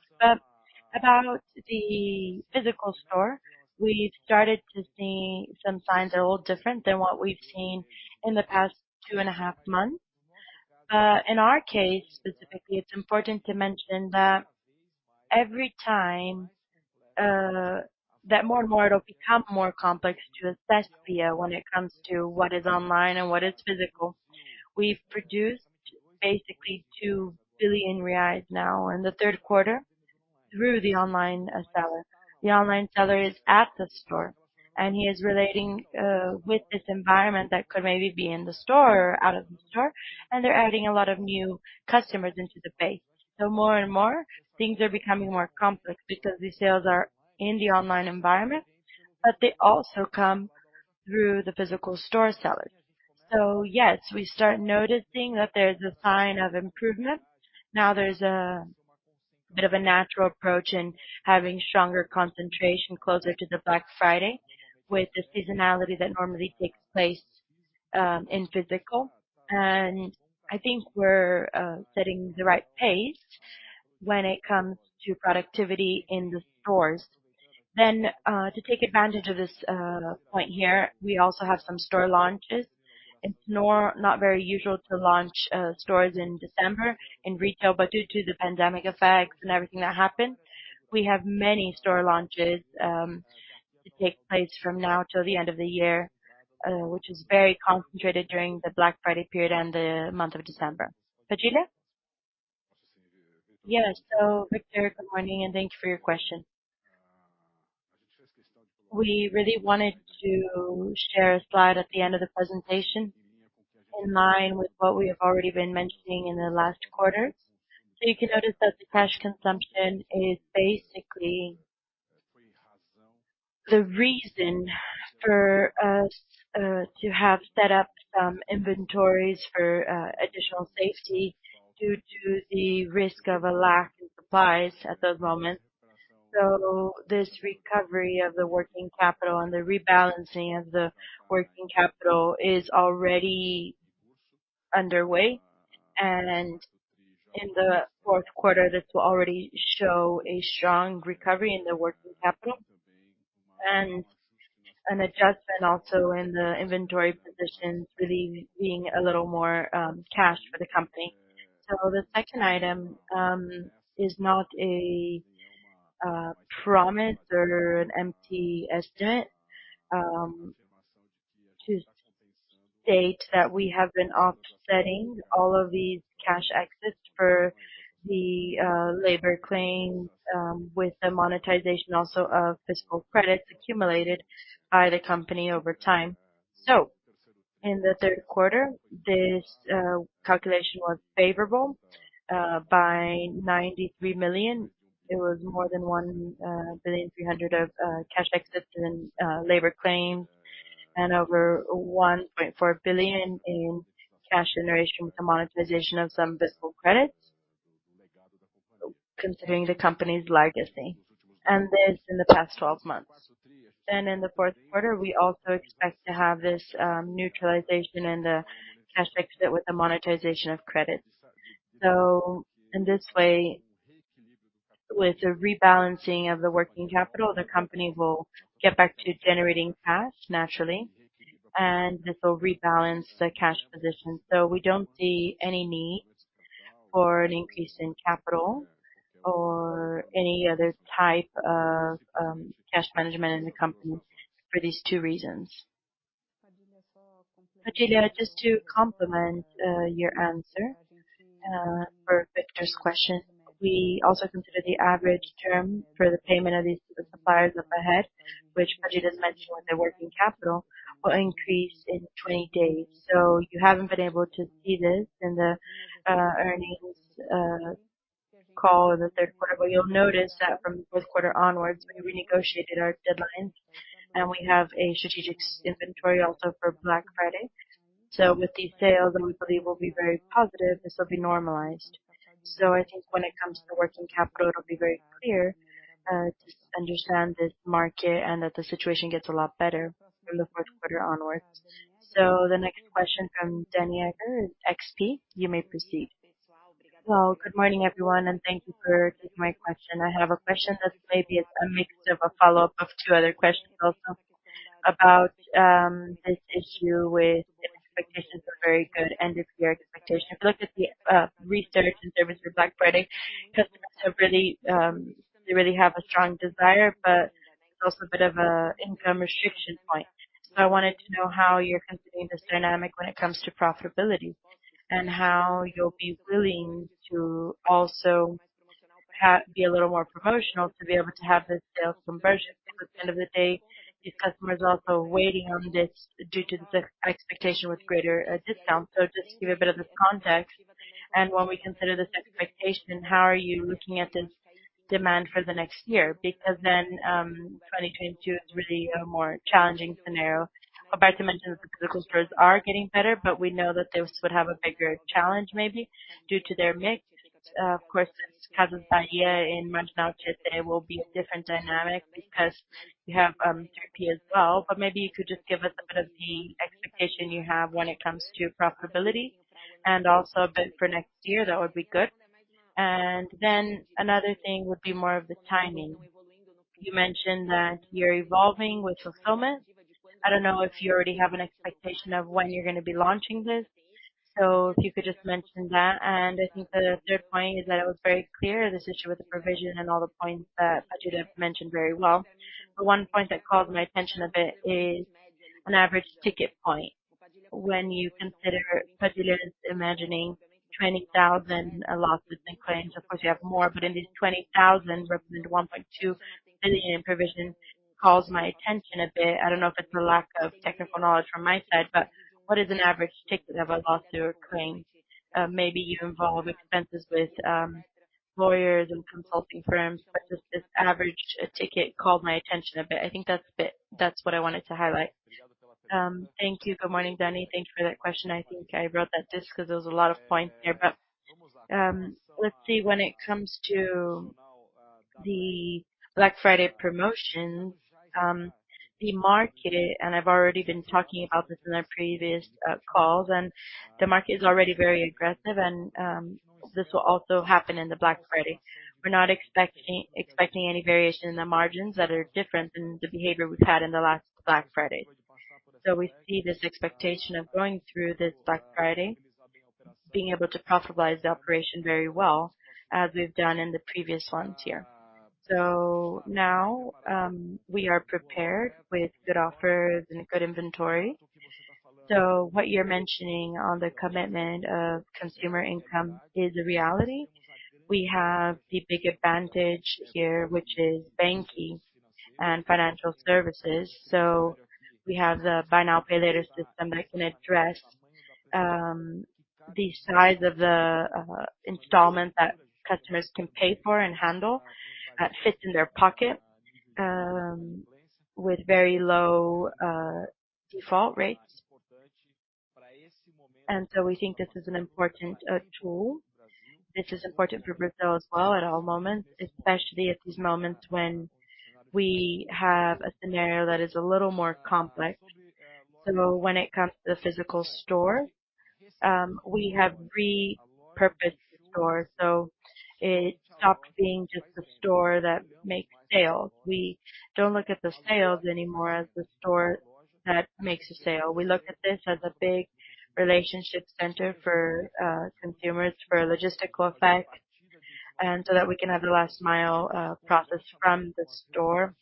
About the physical store, we started to see some signs are a little different than what we've seen in the past two and a half months. In our case specifically, it's important to mention that every time, that more and more it'll become more complex to assess Via when it comes to what is online and what is physical. We've produced basically 2 billion reais now in the third quarter through the online seller. The online seller is at the store, and he is relating with this environment that could maybe be in the store or out of the store, and they're adding a lot of new customers into the base. More and more things are becoming more complex because the sales are in the online environment, but they also come through the physical store sellers. Yes, we start noticing that there's a sign of improvement. Now there's a bit of a natural approach in having stronger concentration closer to the Black Friday with the seasonality that normally takes place in physical. I think we're setting the right pace when it comes to productivity in the stores. To take advantage of this point here, we also have some store launches. It's not very usual to launch stores in December in retail, but due to the pandemic effects and everything that happened, we have many store launches to take place from now till the end of the year, which is very concentrated during the Black Friday period and the month of December. Padilha? Yeah. Victor, good morning, and thank you for your question. We really wanted to share a slide at the end of the presentation in line with what we have already been mentioning in the last quarter. You can notice that the cash consumption is basically the reason for us to have set up some inventories for additional safety due to the risk of a lack of supplies at that moment. This recovery of the working capital and the rebalancing of the working capital is already underway. In the fourth quarter, this will already show a strong recovery in the working capital. An adjustment also in the inventory position, really being a little more cash for the company. The second item is not a promise or an empty estimate to state that we have been offsetting all of these cash exits for the labor claims with the monetization also of fiscal credits accumulated by the company over time. In the third quarter, this calculation was favorable by 93 million. It was more than 1.3 billion of cash exits in labor claims and over 1.4 billion in cash generation from monetization of some fiscal credits, considering the company's legacy. This in the past 12 months. In the fourth quarter, we also expect to have this neutralization in the cash effects with the monetization of credits. In this way, with the rebalancing of the working capital, the company will get back to generating cash naturally, and this will rebalance the cash position. We don't see any need for an increase in capital or any other type of cash management in the company for these two reasons. Padilha, just to complement your answer for Victor's question. We also consider the average term for the payment of these suppliers looking ahead, which Padilha mentioned with the working capital, will increase in 20 days. You haven't been able to see this in the earnings call in the third quarter. You'll notice that from fourth quarter onwards, we renegotiated our deadlines, and we have a strategic inventory also for Black Friday. With these sales, and we believe will be very positive, this will be normalized. I think when it comes to working capital, it'll be very clear to understand this market and that the situation gets a lot better from the fourth quarter onwards. The next question from Danniela Eiger, XP. You may proceed. Well, good morning, everyone, and thank you for taking my question. I have a question that maybe it's a mix of a follow-up of two other questions also about this issue with the expectations for very good end of year expectation. If you look at the research and service for Black Friday, customers have really, they really have a strong desire, but it's also a bit of a income restriction point. I wanted to know how you're considering this dynamic when it comes to profitability and how you'll be willing to also be a little more promotional to be able to have this sales conversion. Because at the end of the day, these customers are also waiting on this due to the expectation with greater discounts. Just to give a bit of this context and when we consider this expectation, how are you looking at this demand for the next year? Because then, 2022 is really a more challenging scenario. About to mention that the physical stores are getting better, but we know that those would have a bigger challenge maybe due to their mix. Of course, this Casas Bahia in Manoel Tibiriçá will be a different dynamic because you have 3P as well. Maybe you could just give us a bit of the expectation you have when it comes to profitability and also a bit for next year. That would be good. Another thing would be more of the timing. You mentioned that you're evolving with fulfillment. I don't know if you already have an expectation of when you're gonna be launching this. If you could just mention that. I think the third point is that it was very clear this issue with the provision and all the points that Padilha mentioned very well. The one point that caught my attention a bit is an average ticket point. When you consider Padilha's mentioning 20,000 lawsuits with claims, of course you have more, but these 20,000 represent 1.2 billion provision. That calls my attention a bit. I don't know if it's the lack of technical knowledge from my side, but what is an average ticket of a lawsuit or claim? Maybe it involves expenses with lawyers and consulting firms, but just this average ticket called my attention a bit. I think that's what I wanted to highlight. Thank you. Good morning, Danny. Thanks for that question. I think I wrote that just 'cause there was a lot of points there. Let's see. When it comes to the Black Friday promotion, the market, and I've already been talking about this in our previous calls, and the market is already very aggressive and, this will also happen in the Black Friday. We're not expecting any variation in the margins that are different than the behavior we've had in the last Black Fridays. We see this expectation of going through this Black Friday being able to profitablize the operation very well as we've done in the previous ones here. Now, we are prepared with good offers and good inventory. What you're mentioning on the commitment of consumer income is a reality. We have the big advantage here, which is banking and financial services. We have the buy now, pay later system that can address the size of the installment that customers can pay for and handle fits in their pocket with very low default rates. We think this is an important tool. This is important for Brazil as well at all moments, especially at these moments when we have a scenario that is a little more complex. When it comes to the physical store, we have repurposed the store, so it stops being just a store that makes sales. We don't look at the sales anymore as the store that makes a sale. We look at this as a big relationship center for consumers for logistical effect and so that we can have the last mile process from the store.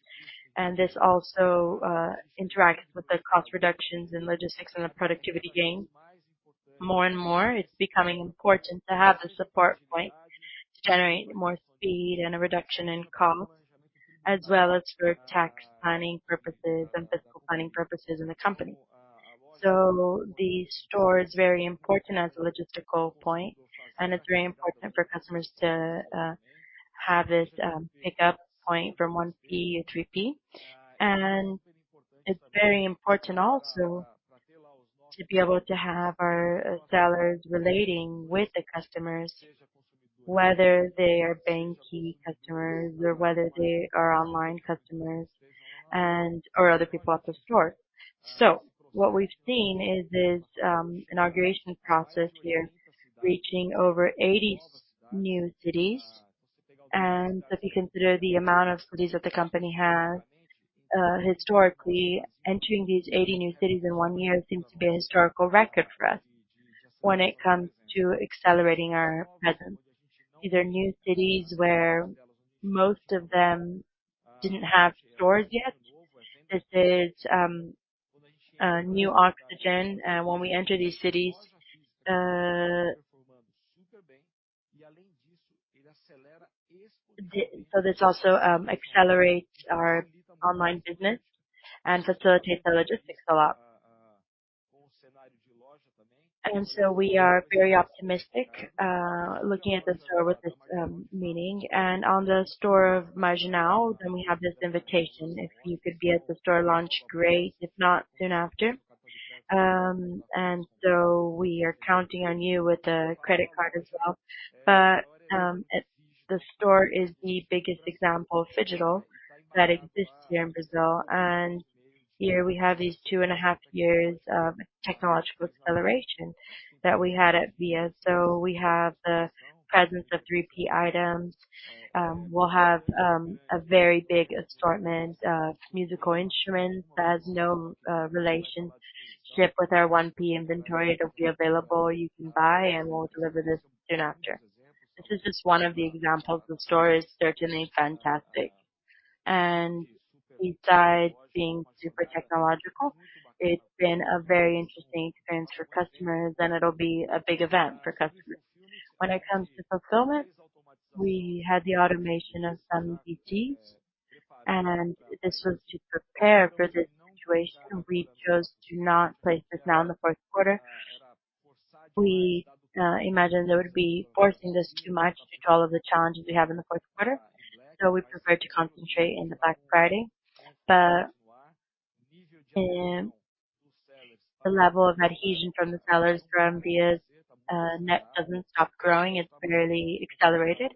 This also interacts with the cost reductions in logistics and the productivity gain. More and more it's becoming important to have the support point to generate more speed and a reduction in costs as well as for tax planning purposes and fiscal planning purposes in the company. The store is very important as a logistical point, and it's very important for customers to have this pickup point from 1P to 3P. It's very important also to be able to have our sellers relating with the customers, whether they are banQi customers or whether they are online customers and/or other people at the store. What we've seen is this inauguration process here reaching over 80 new cities. If you consider the amount of cities that the company has, historically, entering these 80 new cities in one year seems to be a historical record for us when it comes to accelerating our presence. These are new cities where most of them didn't have stores yet. This is new oxygen when we enter these cities. So this also accelerates our online business and facilitates the logistics a lot. We are very optimistic looking at the store with this meeting. On the store of Marginal Tietê, then we have this invitation. If you could be at the store launch, great. If not, soon after. We are counting on you with the credit card as well. The store is the biggest example of phygital that exists here in Brazil. Here we have these 2.5 years of technological acceleration that we had at Via. We have the presence of 3P items. We'll have a very big assortment of musical instruments that has no relationship with our 1P inventory. It'll be available. You can buy and we'll deliver this soon after. This is just one of the examples. The store is certainly fantastic. Besides being super technological, it's been a very interesting experience for customers and it'll be a big event for customers. When it comes to fulfillment, we had the automation of some CTs and this was to prepare for this situation. We chose to not place this now in the fourth quarter. We imagine that would be forcing this too much due to all of the challenges we have in the fourth quarter. We prefer to concentrate in the Black Friday. The level of adhesion from the sellers from Via's net doesn't stop growing. It's barely accelerated.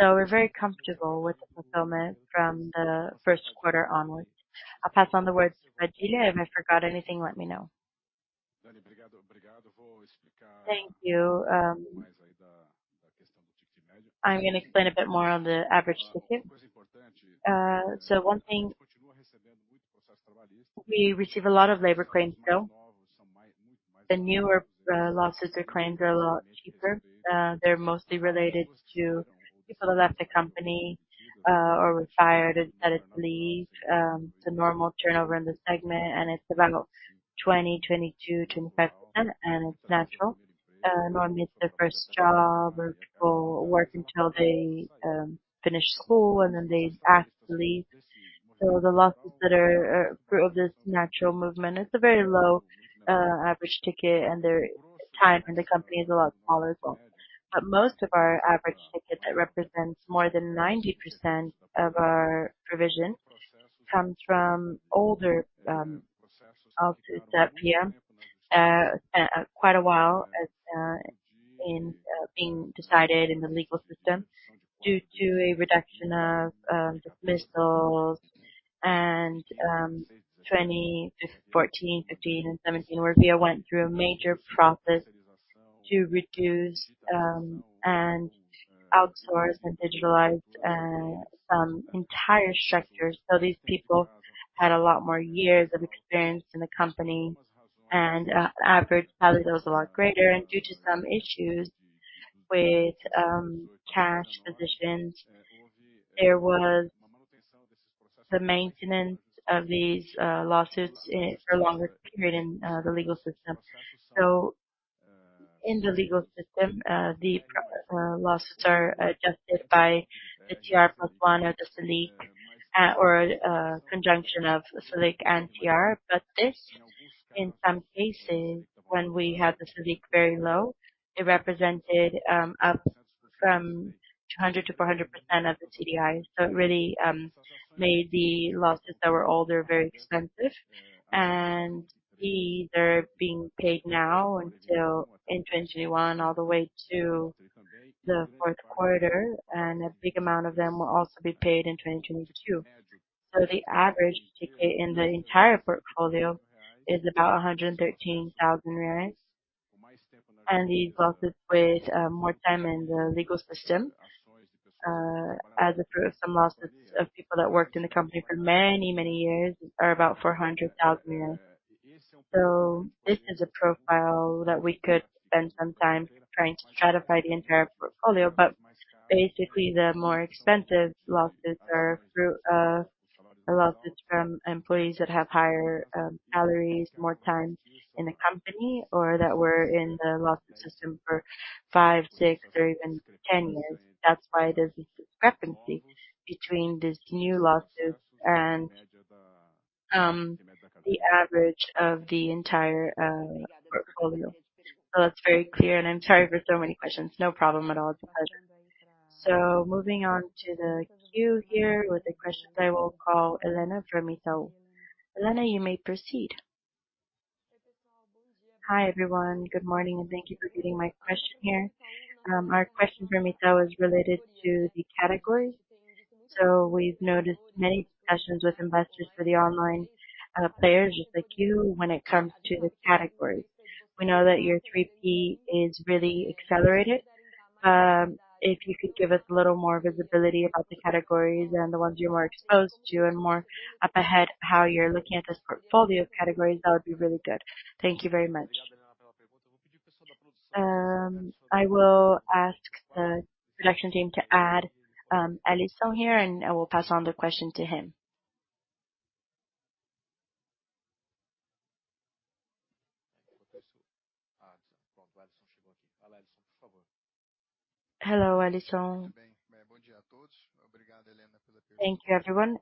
We're very comfortable with the fulfillment from the first quarter onwards. I'll pass on the word to Padilha. If I forgot anything, let me know. Thank you. I'm gonna explain a bit more on the average ticket. One thing, we receive a lot of labor claims still. The newer lawsuits or claims are a lot cheaper. They're mostly related to people who left the company or were fired, that had left. It's a normal turnover in the segment, and it's about 20-22, and it's natural. Normally it's their first job where people work until they finish school and then they actually leave. The losses that are fruit of this natural movement, it's a very low average ticket, and their time in the company is a lot smaller as well. Most of our average ticket that represents more than 90% of our provision comes from older lawsuits at Via, quite a while in being decided in the legal system due to a reduction of dismissals and just 2014, 2015 and 2017, where Via went through a major process to reduce and outsource and digitalize some entire sectors. These people had a lot more years of experience in the company and average salary was a lot greater. Due to some issues with cash positions, there was the maintenance of these lawsuits for longer period in the legal system. In the legal system, the lawsuits are adjusted by the TR plus one or the SELIC, or a conjunction of SELIC and TR. This, in some cases, when we had the SELIC very low, it represented up from 200%-400% of the CDI. It really made the lawsuits that were older very expensive. These are being paid now until in 2021, all the way to the fourth quarter, and a big amount of them will also be paid in 2022. The average ticket in the entire portfolio is about 113,000 reais. These lawsuits with more time in the legal system, as a proof, some lawsuits of people that worked in the company for many, many years are about 400,000. This is a profile that we could spend some time trying to stratify the entire portfolio. Basically the more expensive lawsuits are fruit of the lawsuits from employees that have higher salaries, more time in the company or that were in the lawsuit system for five, six or even 10 years. That's why there's a discrepancy between these new lawsuits and the average of the entire portfolio. That's very clear. I'm sorry for so many questions. No problem at all. It's a pleasure. Moving on to the queue here with the questions, I will call Elena from Mizuho. Elena, you may proceed. Hi everyone. Good morning, and thank you for getting my question here. Our question for Mizuho is related to the categories. We've noticed many discussions with investors for the online players just like you when it comes to the categories. We know that your 3P is really accelerated. If you could give us a little more visibility about the categories and the ones you're more exposed to and more up ahead how you're looking at this portfolio of categories, that would be really good. Thank you very much. I will ask the production team to add Helisson here, and I will pass on the question to him. Hello, Helisson. Thank you everyone.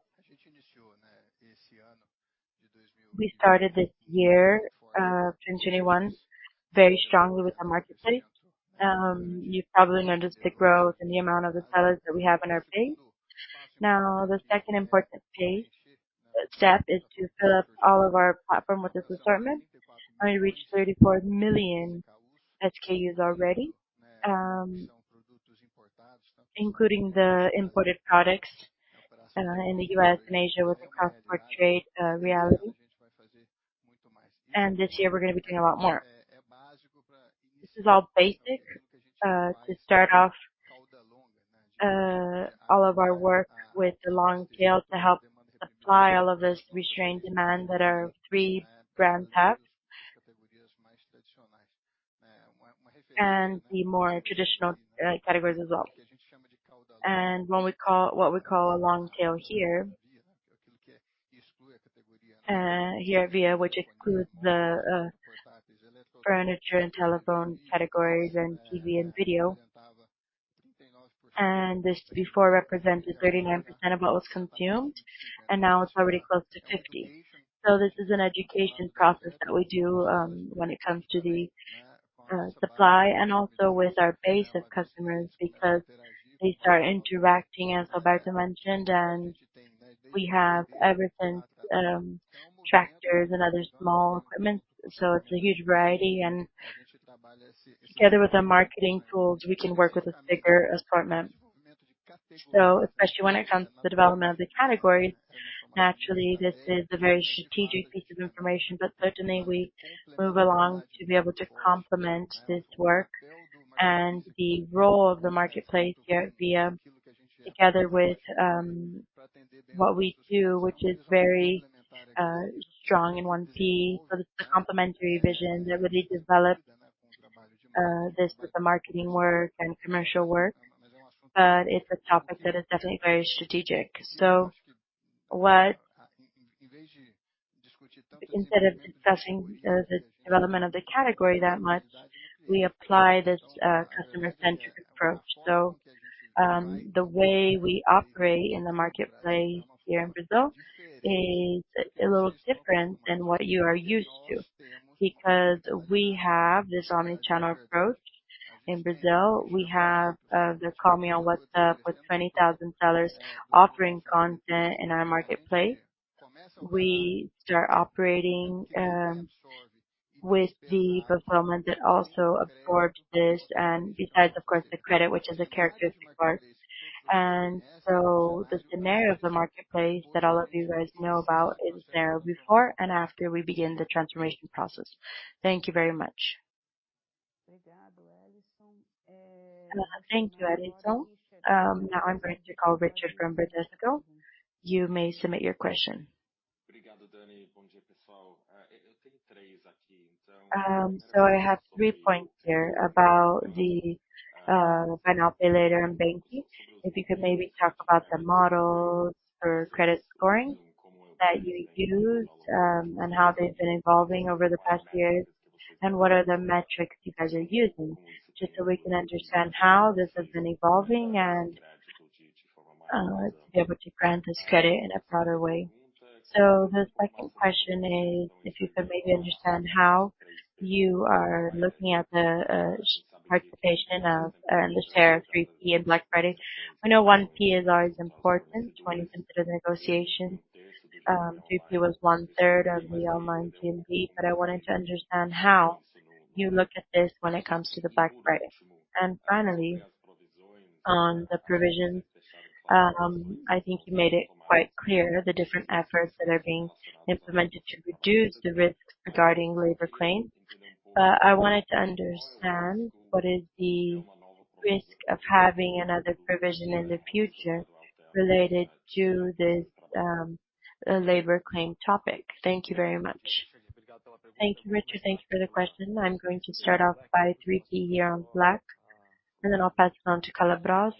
We started this year 2021 very strongly with the marketplace. You've probably noticed the growth and the amount of the sellers that we have on our page. Now, the second important step is to fill up all of our platform with this assortment, and we reached 34 million SKUs already. Including the imported products in the U.S. and Asia with the cross-border trade reality. This year we're gonna be doing a lot more. This is all basic to start off all of our work with the long tail to help supply all of this restrained demand that our three brands have. The more traditional categories as well. What we call a long tail here. Here at Via, which includes the furniture and telephone categories and TV and video. This before represented 39% of what was consumed, and now it's already close to 50%. This is an education process that we do when it comes to the supply and also with our base of customers because they start interacting, as Roberto mentioned, and we have everything, tractors and other small equipment. It's a huge variety and together with the marketing tools, we can work with a bigger assortment. Especially when it comes to the development of the category, naturally this is a very strategic piece of information, but certainly we move along to be able to complement this work and the role of the marketplace here at Via together with what we do, which is very strong in 1P. This is a complementary vision that really develops this with the marketing work and commercial work. It's a topic that is definitely very strategic. Instead of discussing the development of the category that much, we apply this customer-centric approach. The way we operate in the marketplace here in Brazil is a little different than what you are used to because we have this omni-channel approach. In Brazil, we have the Me Chama no Zap with 20,000 sellers offering content in our marketplace. We start operating with the fulfillment that also absorbs this and besides of course the credit, which is a characteristic part. The scenario of the marketplace that all of you guys know about is there before and after we begin the transformation process. Thank you very much. Thank you, Helisson. Now I'm going to call Richard from Bradesco. You may submit your question. I have three points here about the buy now, pay later and banking. If you could maybe talk about the models for credit scoring that you used, and how they've been evolving over the past years, and what are the metrics you guys are using, just so we can understand how this has been evolving and, to be able to grant this credit in a broader way. The second question is if you could maybe understand how you are looking at the participation of the share of 3P in Black Friday. I know 1P is always important when you consider negotiation. 3P was 1/3 of the online P&P, but I wanted to understand how you look at this when it comes to the Black Friday. Finally, on the provision, I think you made it quite clear the different efforts that are being implemented to reduce the risk regarding labor claim. I wanted to understand what is the risk of having another provision in the future related to this, labor claim topic. Thank you very much. Thank you, Richard. Thanks for the question. I'm going to start off by 3P here on Black Friday, and then I'll pass it on to Calabro,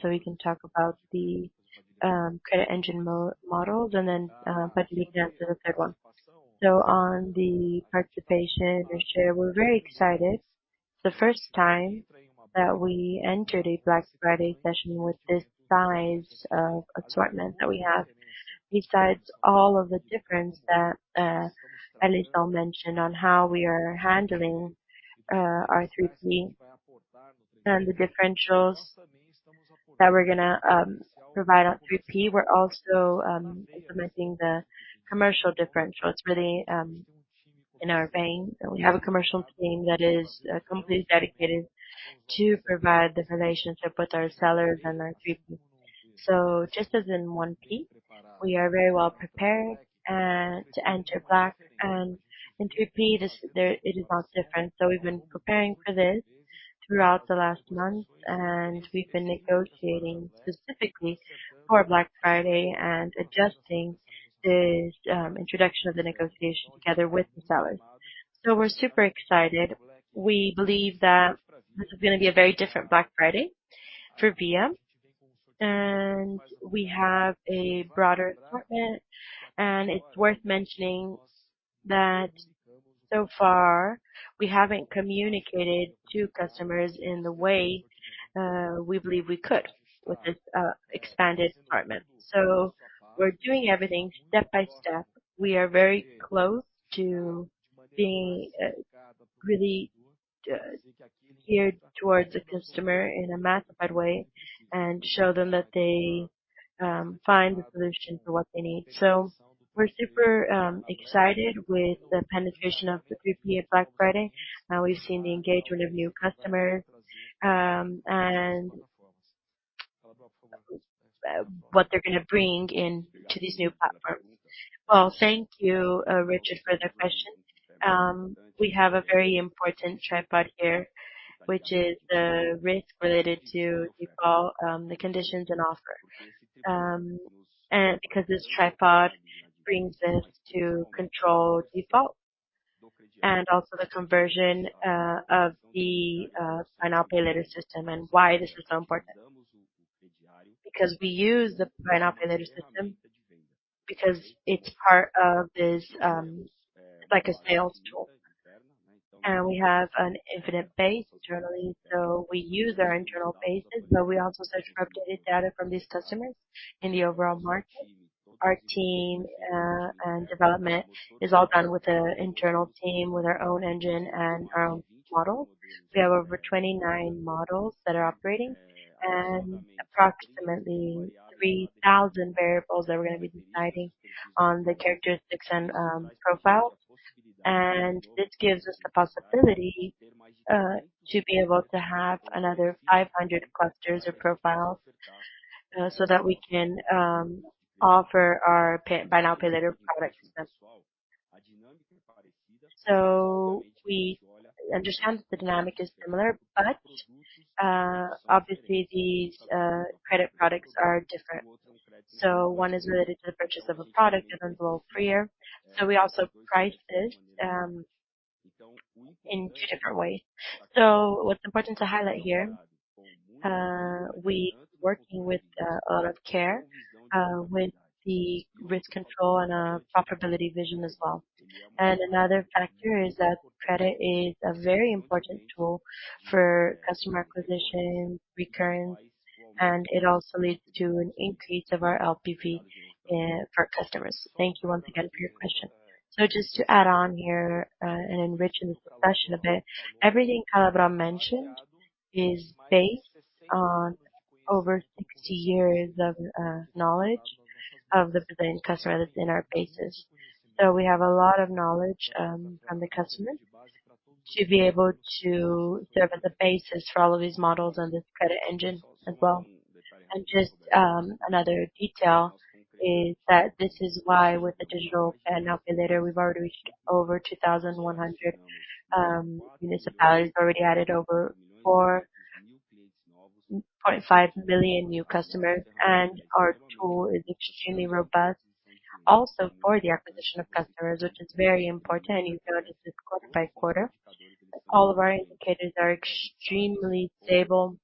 so we can talk about the credit engine models, and then Padilha will answer the third one. On the participation or share, we're very excited. It's the first time that we entered a Black Friday season with this size of assortment that we have. Besides all of the difference that Helisson mentioned on how we are handling our 3P and the differentials that we're gonna provide on 3P. We're also implementing the commercial differentials really in our vein. We have a commercial team that is completely dedicated to provide the relationship with our sellers and our 3P. Just as in 1P, we are very well prepared to enter Black Friday. In 3P, it is not different. We've been preparing for this throughout the last month, and we've been negotiating specifically for Black Friday and adjusting this introduction of the negotiation together with the sellers. We're super excited. We believe that this is gonna be a very different Black Friday for Via, and we have a broader department. It's worth mentioning that so far we haven't communicated to customers in the way we believe we could with this expanded department. We're doing everything step by step. We are very close to being really geared towards the customer in a massive way and show them that they find the solution for what they need. We're super excited with the penetration of the 3P at Black Friday. We've seen the engagement of new customers and what they're gonna bring in to these new platforms. Well, thank you, Richard, for the question. We have a very important tripod here, which is the risk related to default, the conditions and offer. Because this tripod brings us to control default and also the conversion of the buy now, pay later system and why this is so important. Because we use the buy now, pay later system because it's part of this like a sales tool. We have an infinite base internally. We use our internal bases, but we also search for updated data from these customers in the overall market. Our team and development is all done with the internal team, with our own engine and our own models. We have over 29 models that are operating and approximately 3,000 variables that we're gonna be deciding on the characteristics and profiles. This gives us the possibility to be able to have another 500 clusters or profiles so that we can offer our buy now, pay later product successfully. We understand the dynamic is similar, but obviously these credit products are different. One is related to the purchase of a product and involves FIDC. We also price it in two different ways. What's important to highlight here, we working with a lot of care, with the risk control and, profitability vision as well. Another factor is that credit is a very important tool for customer acquisition, recurrence, and it also leads to an increase of our LTV for our customers. Thank you once again for your question. Just to add on here and enrich this discussion a bit. Everything Calabro mentioned is based on over 60 years of knowledge of the Brazilian customers in our bases. We have a lot of knowledge, from the customer to be able to serve as a basis for all of these models and this credit engine as well. Just another detail is that this is why with the digital buy now pay later, we've already reached over 2,100 municipalities, already added over 4.5 million new customers. Our tool is extremely robust also for the acquisition of customers, which is very important, and you've noticed this quarter by quarter. All of our indicators are extremely stable.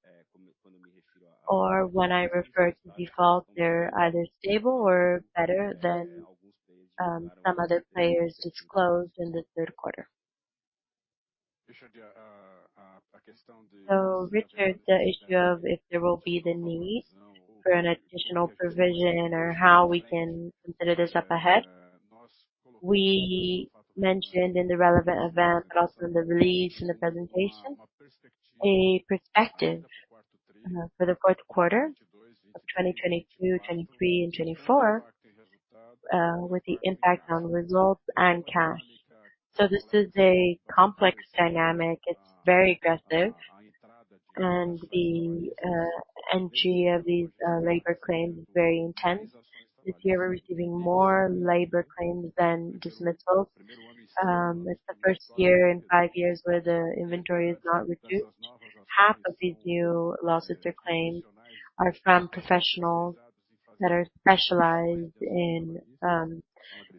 When I refer to default, they're either stable or better than some other players disclosed in the third quarter. Richard, the issue of if there will be the need for an additional provision or how we can consider this up ahead. We mentioned in the relevant event, but also in the release, in the presentation, a perspective for the fourth quarter of 2022, 2023, and 2024 with the impact on results and cash. This is a complex dynamic. It's very aggressive. The entry of these labor claims is very intense. This year, we're receiving more labor claims than dismissals. It's the first year in five years where the inventory is not reduced. Half of these new lawsuits or claims are from professionals that are specialized in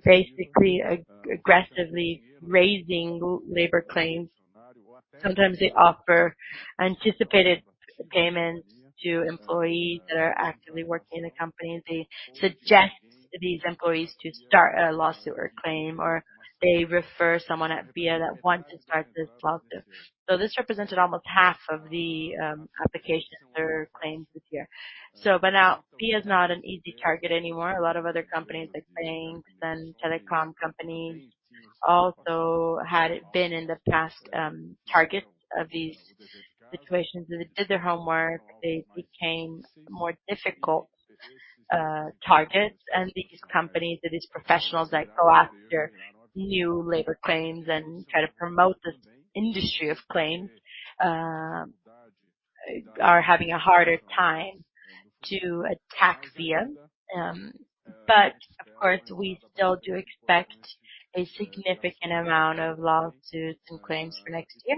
basically aggressively raising labor claims. Sometimes they offer anticipated payments to employees that are actively working in the company, and they suggest these employees to start a lawsuit or claim, or they refer someone at Via that want to start this lawsuit. This represented almost half of the applications or claims this year. By now, Via is not an easy target anymore. A lot of other companies like banks and telecom companies also had been in the past targets of these situations. They did their homework. They became more difficult targets. These companies or these professionals that go after new labor claims and try to promote this industry of claims are having a harder time to attack Via. Of course, we still do expect a significant amount of lawsuits and claims for next year.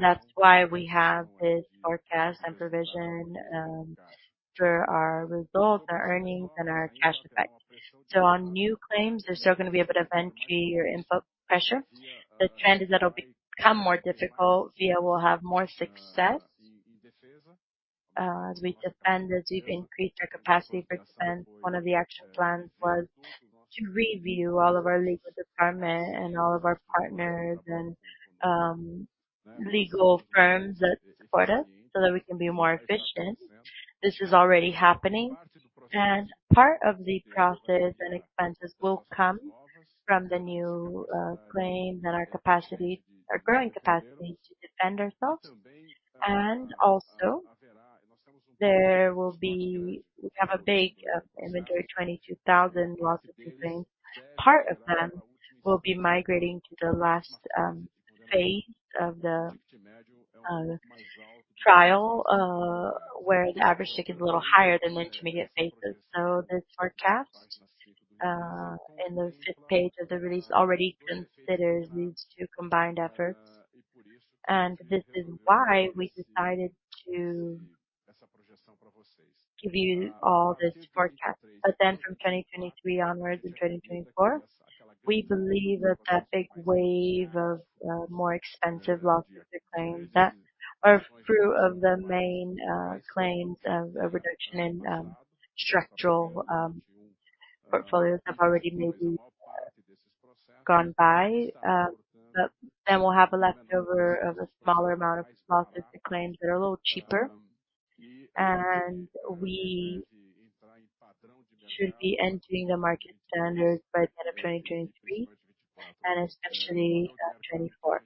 That's why we have this forecast and provision for our results, our earnings and our cash effect. On new claims, there's still gonna be a bit of entry or input pressure. The trend is that it'll become more difficult. Via will have more success as we defend, as we've increased our capacity for defense. One of the action plans was to review all of our legal department and all of our partners and legal firms that support us so that we can be more efficient. This is already happening, and part of the process and expenses will come from the new claim and our growing capacity to defend ourselves. We have a big inventory, 22,000 lawsuits to claim. Part of them will be migrating to the last phase of the trial, where the average ticket is a little higher than the intermediate phases. This forecast and the fifth page of the release already considers these two combined efforts. This is why we decided to give you all this forecast. From 2023 onwards in 2024, we believe that that big wave of more expensive lawsuits or claims that are few but the main claims of a reduction in structural portfolios have already maybe gone by. We'll have a leftover of a smaller amount of lawsuits and claims that are a little cheaper, and we should be entering the market standard by the end of 2023 and especially 2024.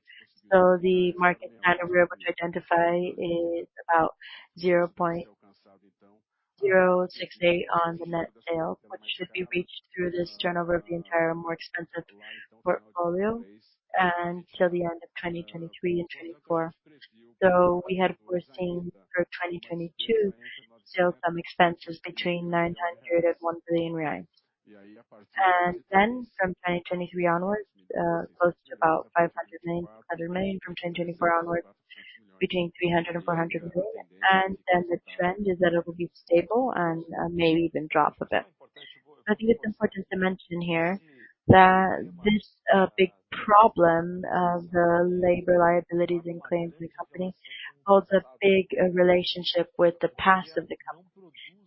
The market standard we're able to identify is about 0.068 on net sales, which should be reached through this turnover of the entire more expensive portfolio and till the end of 2023 and 2024. We had foreseen for 2022, still some expenses between 900 million and 1 billion reais. From 2023 onwards, close to about 500 million or so from 2024 onwards between 300 million and 400 million. The trend is that it will be stable and maybe even drop a bit. I think it's important to mention here that this big problem of the labor liabilities and claims in the company holds a big relationship with the past of the company.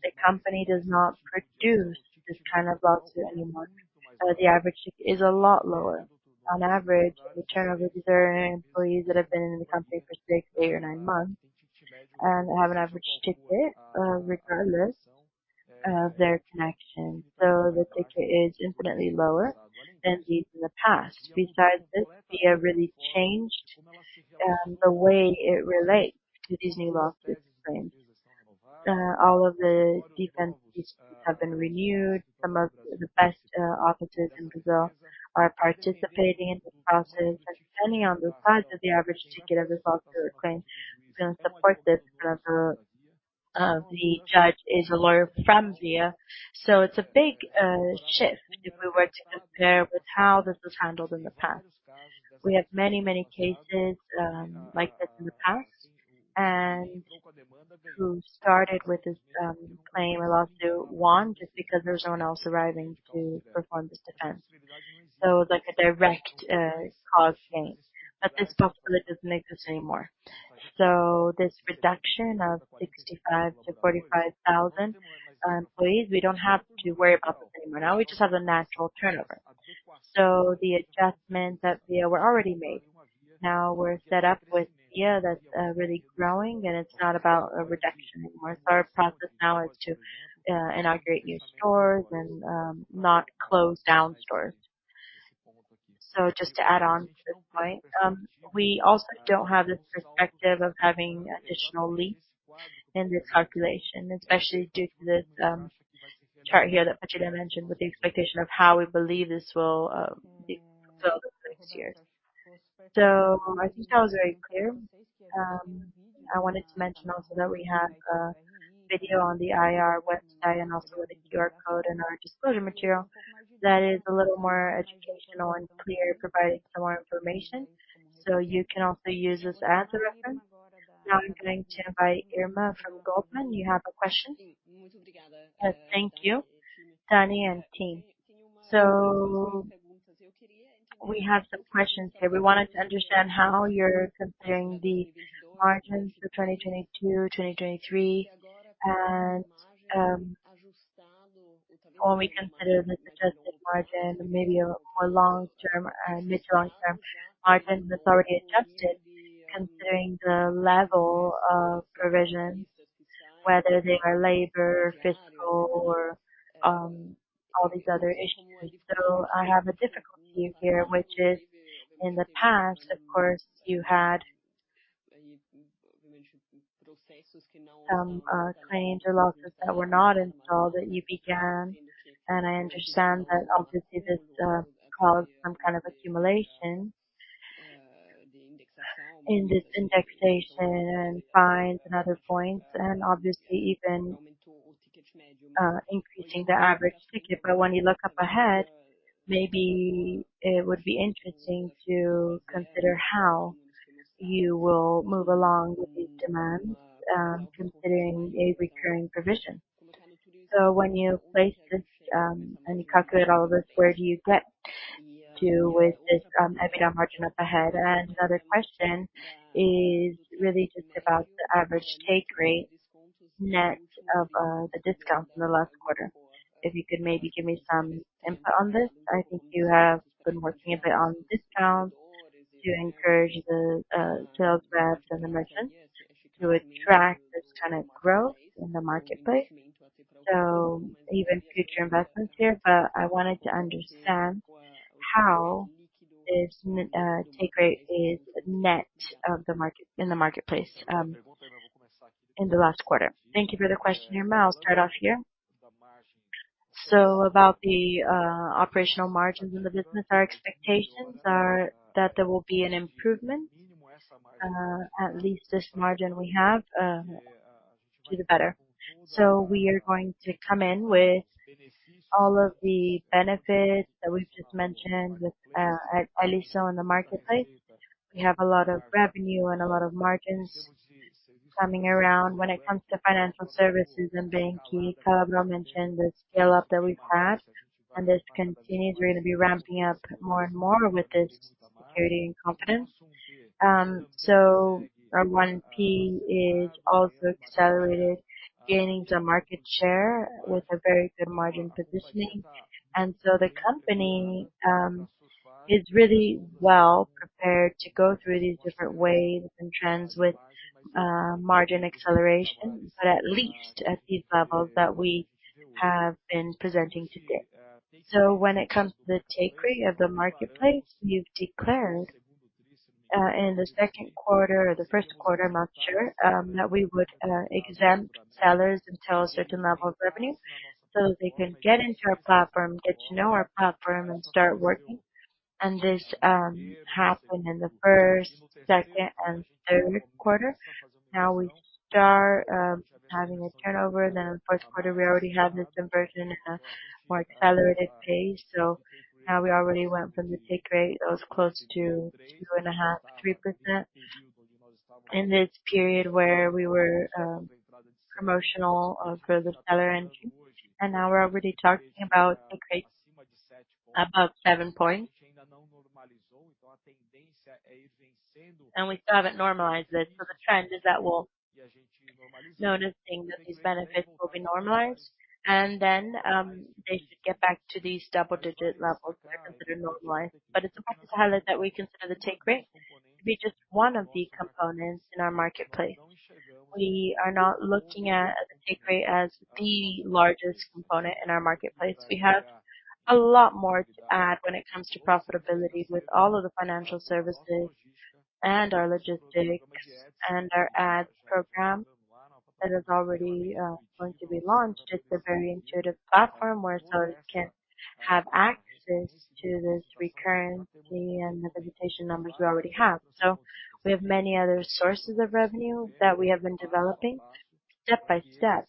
The company does not produce this kind of lawsuit anymore. The average is a lot lower. On average, the turnover of service employees that have been in the company for six, eight or nine months and have an average ticket regardless of their connection. The ticket is infinitely lower than those in the past. Besides this, we have really changed the way we relate to these new lawsuit claims. All of the defenses have been renewed. Some of the best offices in Brazil are participating in this process. Depending on the size of the average ticket of this lawsuit claim, it's gonna support this because the judge is a lawyer from Via. It's a big shift if we were to compare with how this was handled in the past. We had many cases like this in the past and who started with this claim lawsuit won just because there was no one else arriving to perform this defense. It was like a direct cause claim. But this portfolio doesn't make this anymore. This reduction of 65,000 to 45,000 employees, we don't have to worry about the same right now. We just have the natural turnover. The adjustments that Via were already made. Now we're set up with Via that's really growing, and it's not about a reduction anymore. Our process now is to inaugurate new stores and not close down stores. Just to add on to this point, we also don't have this perspective of having additional lease in this calculation, especially due to this chart here that Padilha mentioned, with the expectation of how we believe this will be fulfilled in the next years. I think I was very clear. I wanted to mention also that we have a video on the IR website and also with the QR code in our disclosure material that is a little more educational and clear, providing some more information. You can also use this as a reference. Now I'm going to invite Irma from Goldman. You have a question? Thank you, Tanya and team. We have some questions here. We wanted to understand how you're comparing the margins for 2022, 2023. When we consider this adjusted margin, maybe a more long term, mid to long term margin that's already adjusted considering the level of provisions, whether they are labor, fiscal or, all these other issues. I have a difficulty here, which is in the past, of course, you had some claims or lawsuits that were not installed, that you began. I understand that obviously this caused some kind of accumulation in this indexation and fines and other points and obviously even increasing the average ticket. When you look up ahead, maybe it would be interesting to consider how you will move along with these demands, considering a recurring provision. When you place this, and you calculate all this, where do you get to with this, EBITDA margin up ahead? The other question is really just about the average take rate net of the discounts in the last quarter. If you could maybe give me some input on this. I think you have been working a bit on discounts to encourage the sales reps and the merchants to attract this kind of growth in the marketplace. Even future investments here. I wanted to understand how this take rate is net of the marketplace in the last quarter. Thank you for the question, Irma. I'll start off here. About the operational margins in the business, our expectations are that there will be an improvement. At least this margin we have to the better. We are going to come in with all of the benefits that we've just mentioned with at Helisson in the marketplace. We have a lot of revenue and a lot of margins coming around when it comes to financial services and banking. Gabriel mentioned the scale up that we've had and this continues. We're gonna be ramping up more and more with this security and confidence. Our 1P is also accelerated, gaining some market share with a very good margin positioning. The company is really well prepared to go through these different waves and trends with margin acceleration, but at least at these levels that we have been presenting today. When it comes to the take rate of the marketplace, you've declared in the second quarter or the first quarter, I'm not sure, that we would exempt sellers until a certain level of revenue, so they can get into our platform, get to know our platform and start working. This happened in the first, second, and third quarter. Now we start having a turnover. In the fourth quarter we already have this inversion in a more accelerated pace. Now we already went from the take rate that was close to 2.5%-3% in this period where we were promotional for the seller engine. Now we're already talking about a rate above 7 points. We still haven't normalized it. The trend is that we're noticing that these benefits will be normalized and then they should get back to these double-digit levels that are considered normalized. It's important to highlight that we consider the take rate to be just one of the components in our marketplace. We are not looking at the take rate as the largest component in our marketplace. We have a lot more to add when it comes to profitability with all of the financial services and our logistics and our ads program that is already going to be launched. It's a very intuitive platform where sellers can have access to this recurrency and the visitation numbers we already have. We have many other sources of revenue that we have been developing step by step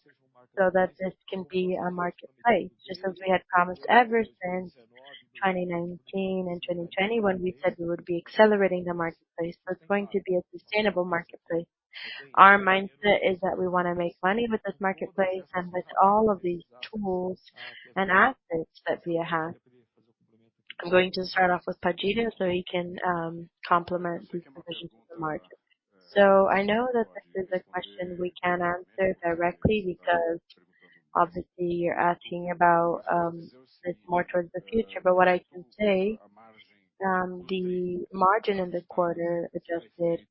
so that this can be a marketplace, just as we had promised ever since 2019 and 2020 when we said we would be accelerating the marketplace. It's going to be a sustainable marketplace. Our mindset is that we wanna make money with this marketplace and with all of these tools and assets that Via has. I'm going to start off with Padilha so he can complement these positions in the market. I know that this is a question we can't answer directly because obviously you're asking about this more towards the future. What I can say, the margin in this quarter adjusted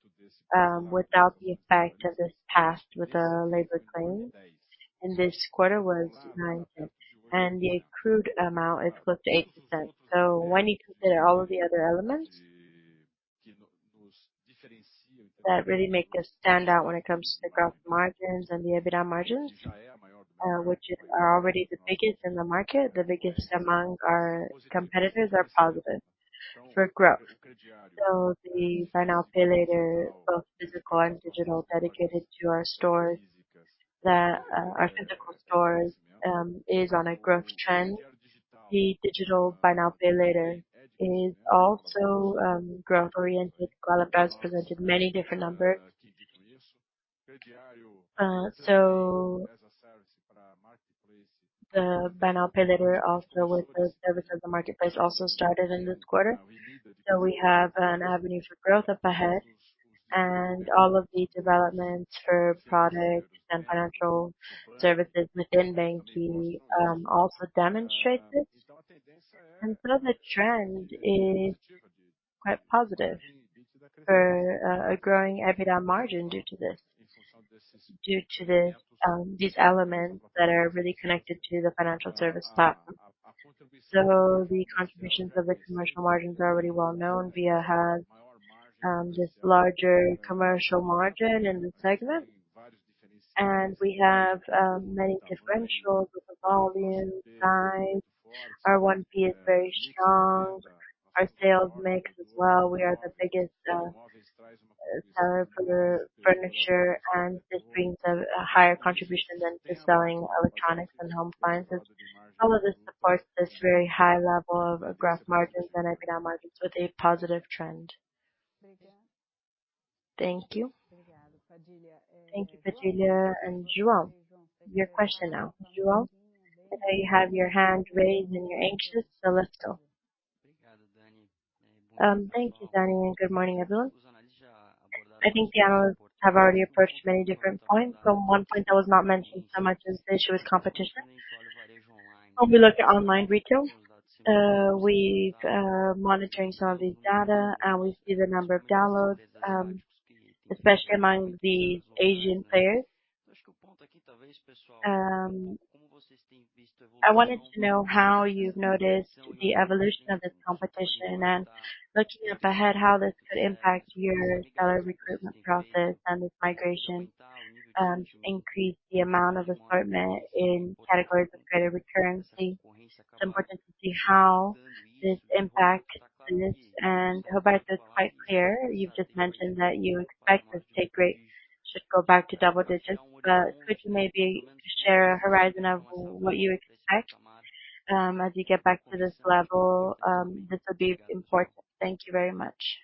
without the effect of this past with the labor claim in this quarter was 9%. The accrued amount is close to 8%. When you consider all of the other elements that really make us stand out when it comes to the growth margins and the EBITDA margins, which are already the biggest in the market, the biggest among our competitors are positive for growth. The buy now, pay later, both physical and digital, dedicated to our physical stores, is on a growth trend. The digital buy now, pay later is also growth oriented. Calabro has presented many different numbers. The buy now, pay later also with those services, the marketplace also started in this quarter. We have an avenue for growth up ahead. All of the developments for products and financial services within banking also demonstrates this. The trend is quite positive for a growing EBITDA margin due to this, these elements that are really connected to the financial service platform. The contributions of the commercial margins are already well known. Via has this larger commercial margin in the segment, and we have many differentials with the volume, size. Our 1P is very strong. Our sales mix as well. We are the biggest seller for the furniture, and this brings a higher contribution than for selling electronics and home appliances. All of this supports this very high level of gross margins and EBITDA margins with a positive trend. Thank you. Thank you Padilha. João, your question now. João, I know you have your hand raised and you're anxious, so let's go. Thank you, Danny. Good morning, everyone. I think the analysts have already approached many different points. One point that was not mentioned so much is the issue with competition. When we look at online retail, we've been monitoring some of these data and we see the number of downloads, especially among these Asian players. I wanted to know how you've noticed the evolution of this competition and looking ahead, how this could impact your seller recruitment process and this migration to increase the amount of assortment in categories of credit recovery. It's important to see how this impacts this and I hope that it's quite clear. You've just mentioned that you expect this take rate should go back to double digits. Could you maybe share a horizon of what you expect, as you get back to this level? This would be important. Thank you very much.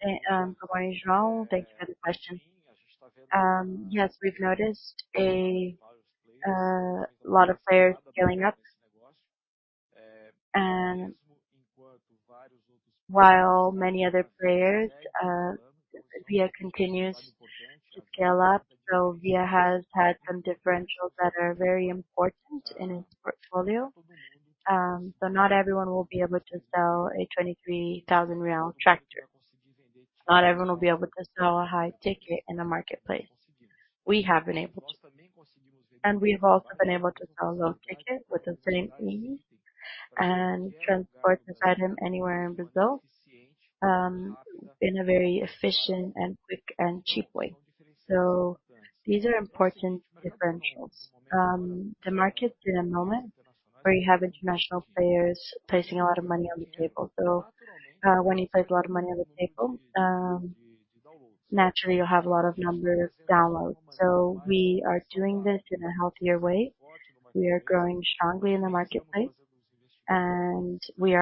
Good morning, João. Thank you for the question. Yes, we've noticed a lot of players scaling up. While many other players, Via continues to scale up. Via has had some differentials that are very important in its portfolio. Not everyone will be able to sell a 23,000 real tractor. Not everyone will be able to sell a high ticket in the marketplace. We have been able to. We've also been able to sell high ticket with the same ease and transport this item anywhere in Brazil, in a very efficient and quick and cheap way. These are important differentials. The market is in a moment where you have international players placing a lot of money on the table. When you place a lot of money on the table, naturally you'll have a lot of downloads. We are doing this in a healthier way. We are growing strongly in the marketplace, and we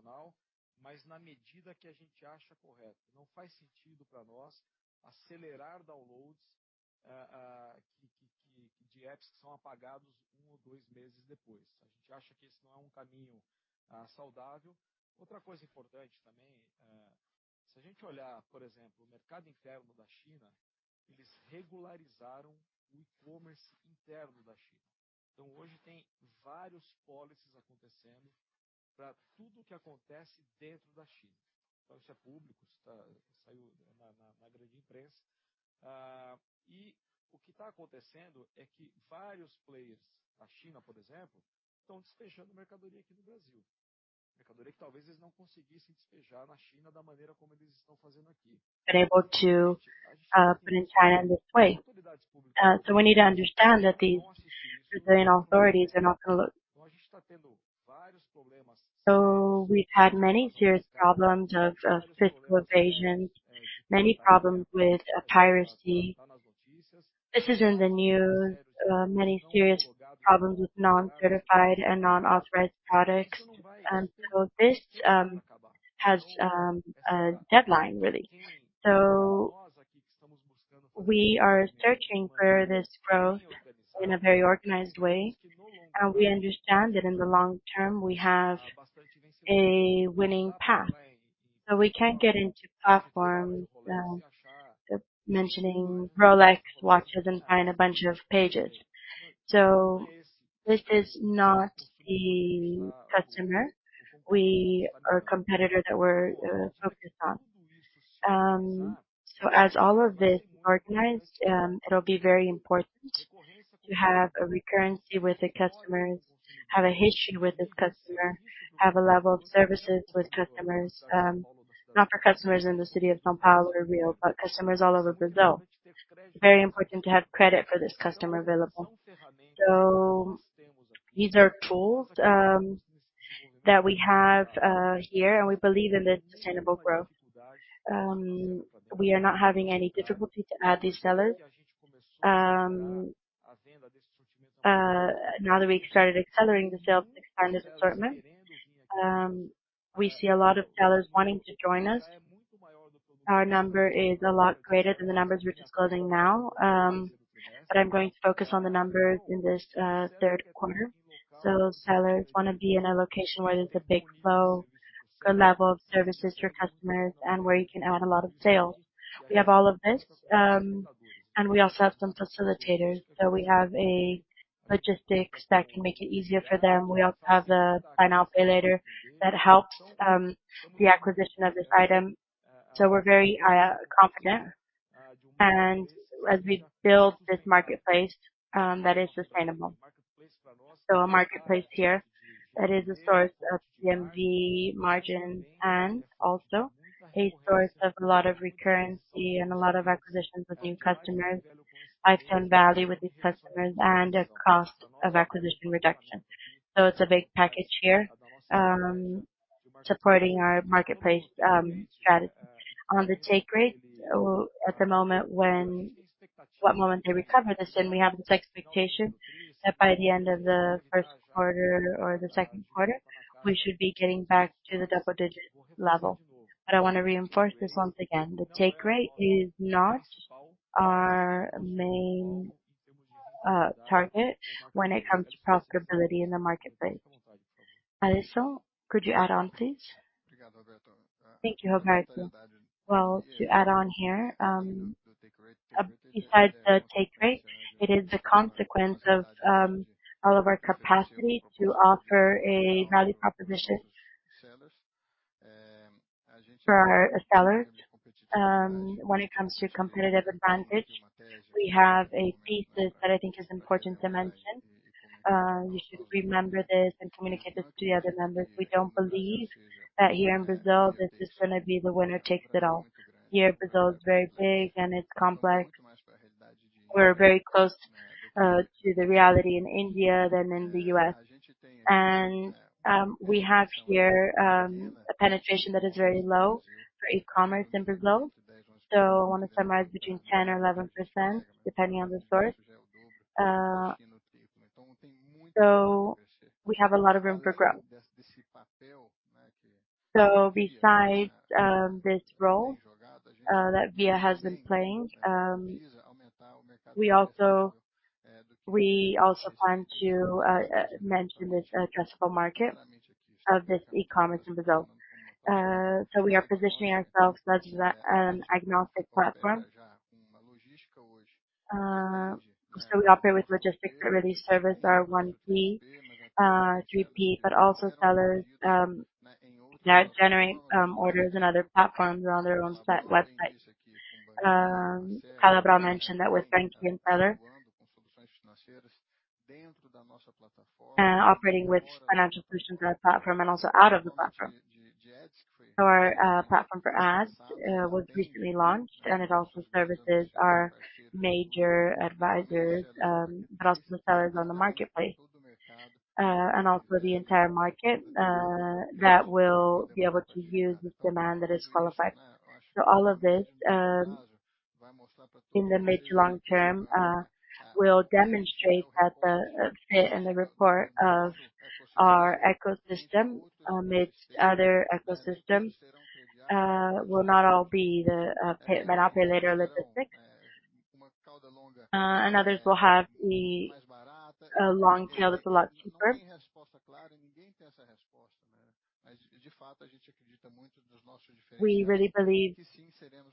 have been able to put in check in this way. We need to understand that these Brazilian authorities are not gonna look the other way. We've had many serious problems of fiscal evasions, many problems with piracy. This is in the news, many serious problems with non-certified and non-authorized products. This has a deadline, really. We are searching for this growth in a very organized way, and we understand that in the long term, we have a winning path. We can't get into platforms mentioning Rolex watches and find a bunch of pages. This is not the customer. We are a competitor that we're focused on. As all of this is organized, it'll be very important to have a recency with the customers, have a history with this customer, have a level of service with customers, not for customers in the city of São Paulo or Rio, but customers all over Brazil. It's very important to have credit for this customer available. These are tools that we have here, and we believe in this sustainable growth. We are not having any difficulty to add these sellers. Now that we started accelerating the sales to expand this assortment, we see a lot of sellers wanting to join us. Our number is a lot greater than the numbers we're disclosing now, but I'm going to focus on the numbers in this third quarter. Sellers wanna be in a location where there's a big flow, a level of services for customers, and where you can add a lot of sales. We have all of this, and we also have some facilitators. We have a logistics that can make it easier for them. We also have the financial pay later that helps, the acquisition of this item. We're very confident and as we build this marketplace, that is sustainable. A marketplace here that is a source of GMV margins and also a source of a lot of recurrency and a lot of acquisitions of new customers, lifetime value with these customers and a cost of acquisition reduction. It's a big package here, supporting our marketplace strategy. On the take rate, at the moment when we recover this, and we have this expectation that by the end of the first quarter or the second quarter, we should be getting back to the double-digit level. I wanna reinforce this once again. The take rate is not our main target when it comes to profitability in the marketplace. Helisson, could you add on, please? Thank you, Roberto. To add on here, besides the take rate, it is the consequence of all of our capacity to offer a value proposition for our sellers. When it comes to competitive advantage, we have a thesis that I think is important to mention. You should remember this and communicate this to the other members. We don't believe that here in Brazil, this is gonna be the winner takes it all. Brazil is very big and it's complex. We're very close to the reality in India than in the U.S. We have here a penetration that is very low for e-commerce in Brazil. I wanna summarize between 10%-11% depending on the source. We have a lot of room for growth. Besides this role that Via has been playing, we also plan to mention this addressable market of this e-commerce in Brazil. We are positioning ourselves as an agnostic platform. We operate with logistics release service are 1P, 3P, but also sellers that generate orders in other platforms or on their own site website. Calabro mentioned that with banQi and other. Operating with financial solutions on our platform and also out of the platform. Our platform for ads was recently launched, and it also services our major advertisers, but also the sellers on the marketplace, and also the entire market that will be able to use this demand that is qualified. All of this in the mid to long term will demonstrate that the fit and the rapport of our ecosystem amidst other ecosystems will not all be the panoply retail logistics. Others will have the long tail that's a lot cheaper. We really believe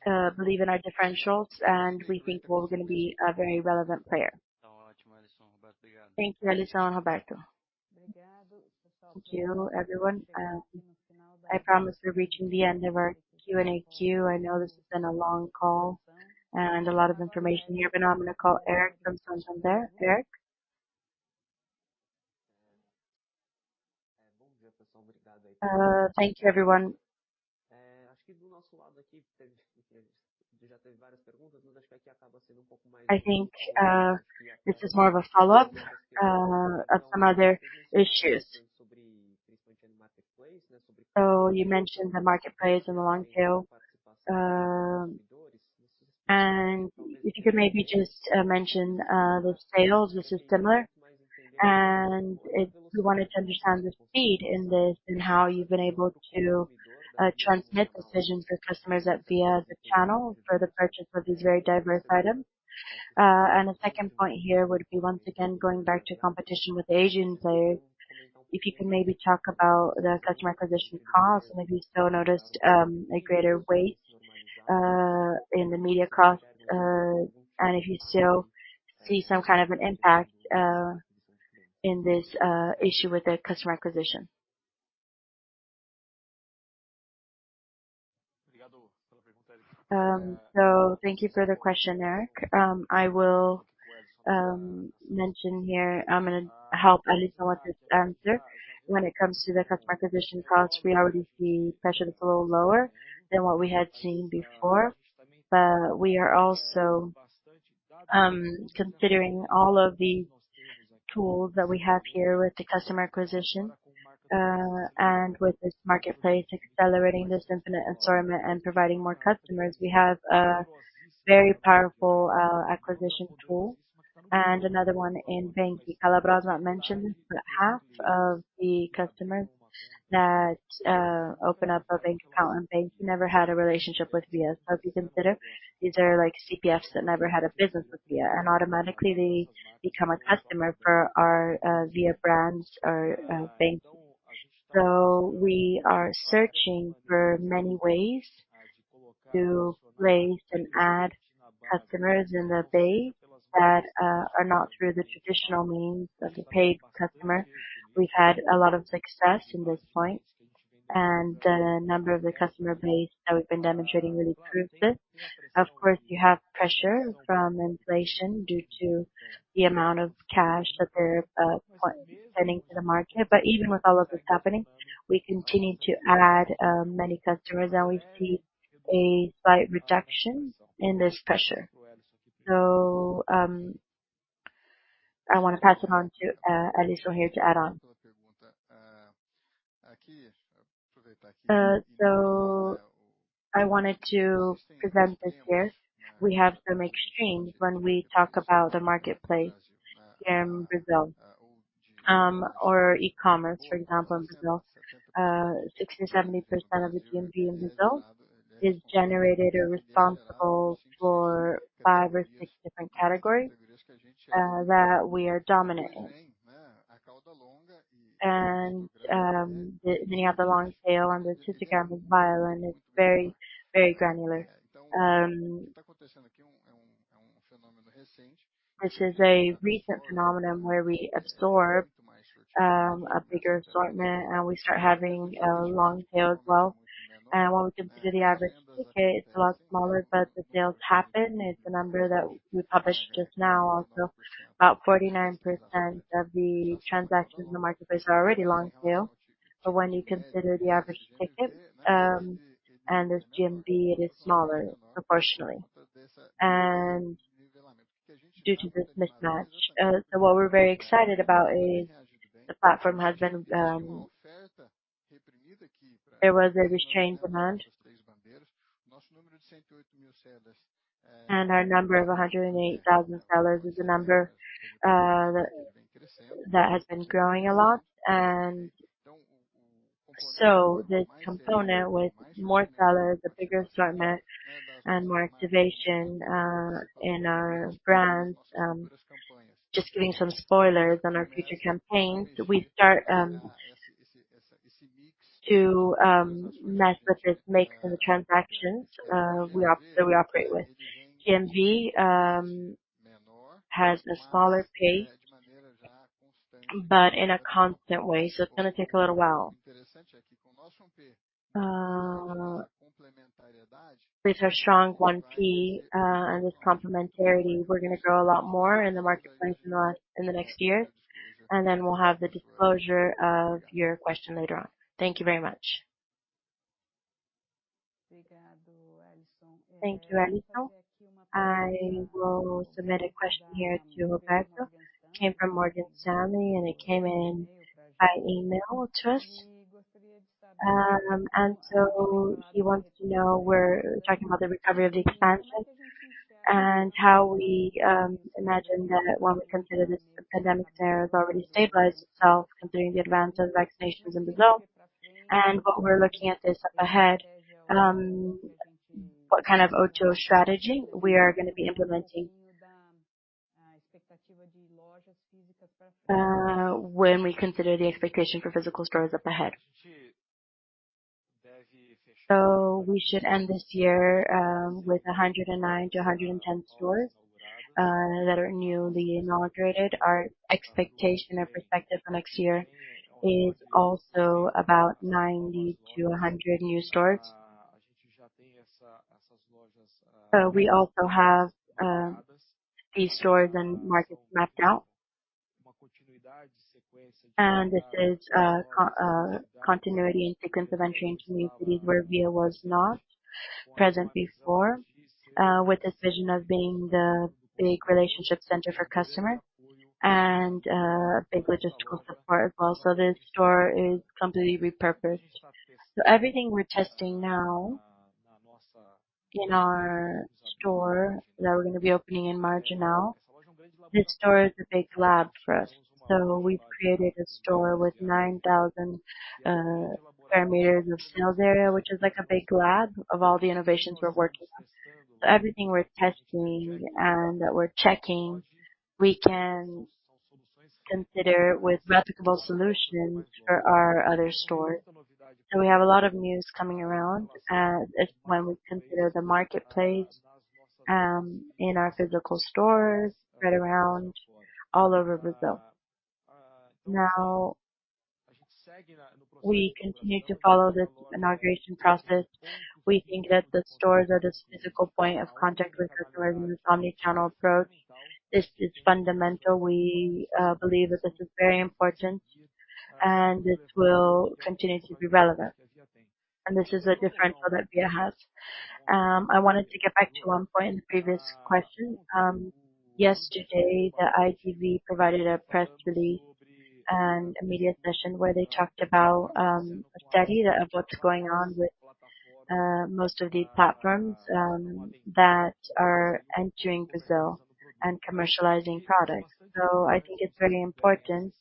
in our differentials, and we think we're gonna be a very relevant player. Thank you, Helisson and Roberto. Thank you, everyone. I promise we're reaching the end of our Q&A queue. I know this has been a long call and a lot of information here, but now I'm gonna call Eric from Santander. Eric? Thank you, everyone. I think this is more of a follow-up of some other issues. You mentioned the marketplace in the long tail. If you could maybe just mention those sales. This is similar. If you wanted to understand the speed in this and how you've been able to transmit decisions for customers at Via as a channel for the purchase of these very diverse items. A second point here would be once again going back to competition with Asian players. If you could maybe talk about the customer acquisition costs and if you still noticed a greater weight in the media costs, and if you still see some kind of an impact in this issue with the customer acquisition. Thank you for the question, Eric. I will mention here, I'm gonna help Helisson with this answer. When it comes to the customer acquisition costs, we already see pressure that's a little lower than what we had seen before. We are also considering all of the tools that we have here with the customer acquisition. With this marketplace accelerating this infinite assortment and providing more customers, we have a very powerful acquisition tool. Another one in banQi. Calabro has not mentioned this, but half of the customers that open up a bank account on banQi never had a relationship with Via. If you consider these are like CPFs that never had a business with Via, and automatically they become a customer for our Via brands or banQi. We are searching for many ways to raise and add customers in the base that are not through the traditional means of a paid customer. We've had a lot of success in this point, and the number of the customer base that we've been demonstrating really proves this. Of course, you have pressure from inflation due to the amount of cash that they're sending to the market. Even with all of this happening, we continue to add many customers, and we see a slight reduction in this pressure. I wanna pass it on to Helisson here to add on. I wanted to present this here. We have some extremes when we talk about the marketplace here in Brazil, or e-commerce, for example, in Brazil. 60%-70% of the GMV in Brazil is generated or responsible for five or six different categories that we are dominating. Hanging out the long tail on the histogram violin is very, very granular. Which is a recent phenomenon where we absorb a bigger assortment, and we start having a long tail as well. When we consider the average ticket, it's a lot smaller, but the sales happen. It's a number that we published just now also. About 49% of the transactions in the marketplace are already long tail. When you consider the average ticket and this GMV, it is smaller proportionally and due to this mismatch. What we're very excited about is the platform has been. There was a restrained demand. Our number of 108,000 sellers is a number that has been growing a lot. This component with more sellers, a bigger assortment, and more activation in our brands just giving some spoilers on our future campaigns. We start to mess with this mix in the transactions we operate with. GMV has a smaller pace, but in a constant way. It's gonna take a little while. With our strong 1P and this complementarity, we're gonna grow a lot more in the marketplace in the next year, and then we'll have the discussion of your question later on. Thank you very much. Thank you, Helisson. I will submit a question here to Roberto. It came from Morgan Stanley, and it came in by email to us. He wants to know, we're talking about the recovery of the expansion and how we imagine that when we consider this pandemic era has already stabilized itself considering the advance of vaccinations in Brazil, and what we're looking at up ahead, what kind of O2O strategy we are gonna be implementing. When we consider the expectation for physical stores up ahead. We should end this year with 109-110 stores that are newly inaugurated. Our expectation and perspective for next year is also about 90-100 new stores. We also have these stores and markets mapped out. This is a continuity and sequence of entry into new cities where Via was not present before, with this vision of being the big relationship center for customers and big logistical support. Also, this store is completely repurposed. Everything we're testing now in our store that we're gonna be opening in Marginal Tietê. This store is a big lab for us. We've created a store with 9,000 sq m of sales area, which is like a big lab of all the innovations we're working on. Everything we're testing and that we're checking, we can consider with replicable solutions for our other stores. We have a lot of news coming around, if when we consider the marketplace, in our physical stores right around all over Brazil. Now we continue to follow this inauguration process. We think that the stores are this physical point of contact with the store in this omnichannel approach. This is fundamental. We believe that this is very important, and it will continue to be relevant. This is a differential that Via has. I wanted to get back to one point in the previous question. Yesterday, the IDV provided a press release and a media session where they talked about a study of what's going on with most of these platforms that are entering Brazil and commercializing products. I think it's very important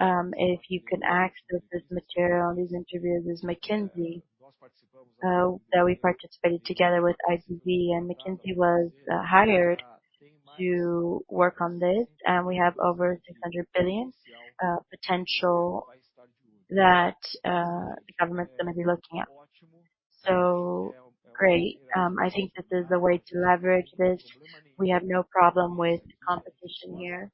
if you can access this material and these interviews with McKinsey that we participated together with IDV. McKinsey was hired to work on this. We have over 600 billion potential that the government is gonna be looking at. Great. I think this is the way to leverage this. We have no problem with competition here.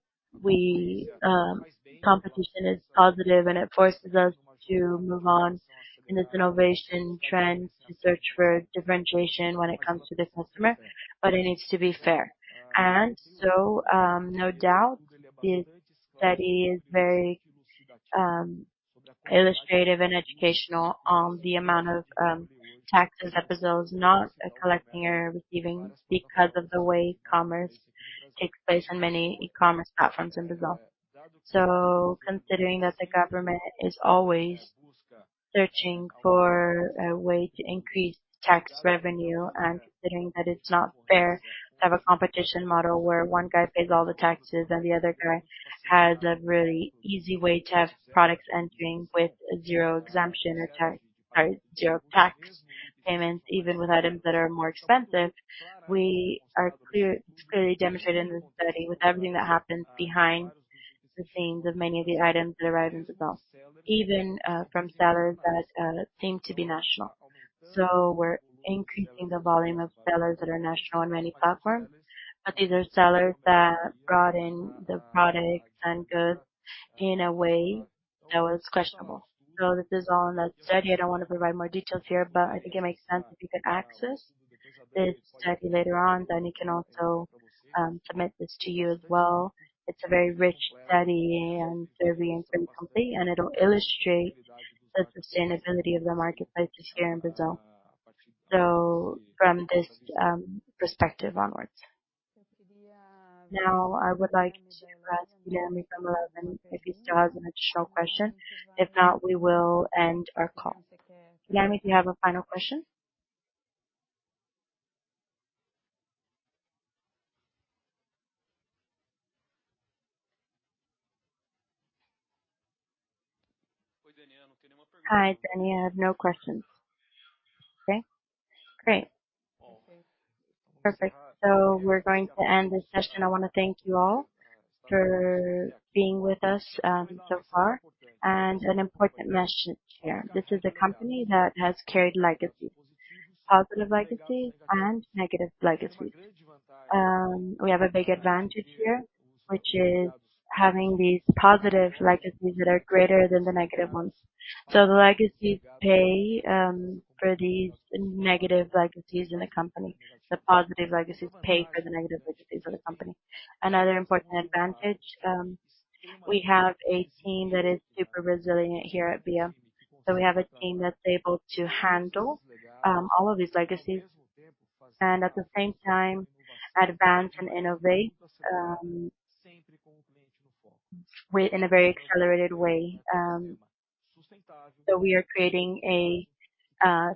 Competition is positive, and it forces us to move on in this innovation trends to search for differentiation when it comes to the customer, but it needs to be fair. No doubt this study is very illustrative and educational on the amount of taxes that Brazil is not collecting or receiving because of the way commerce takes place in many e-commerce platforms in Brazil. Considering that the government is always searching for a way to increase tax revenue and considering that it's not fair to have a competition model where one guy pays all the taxes and the other guy has a really easy way to have products entering with zero exemption or tax, or zero tax payments, even with items that are more expensive. We are clearly demonstrated in this study with everything that happens behind the scenes of many of the items that arrive in Brazil, even from sellers that seem to be national. We're increasing the volume of sellers that are national on many platforms. These are sellers that brought in the products and goods in a way that was questionable. This is all in that study. I don't want to provide more details here, but I think it makes sense if you can access this study later on, then you can also, submit this to you as well. It's a very rich study and survey and pretty complete, and it'll illustrate the sustainability of the marketplace this year in Brazil. From this, perspective onwards. Now, I would like to ask Dani from Eleven if he still has an additional question. If not, we will end our call. Dani, do you have a final question? Hi, Dani. I have no questions. Okay, great. Perfect. We're going to end this session. I wanna thank you all for being with us, so far. An important message here. This is a company that has carried legacies, positive legacies and negative legacies. We have a big advantage here, which is having these positive legacies that are greater than the negative ones. The legacies pay for these negative legacies in the company. The positive legacies pay for the negative legacies of the company. Another important advantage, we have a team that is super resilient here at Via. We have a team that's able to handle all of these legacies and at the same time advance and innovate in a very accelerated way. We are creating a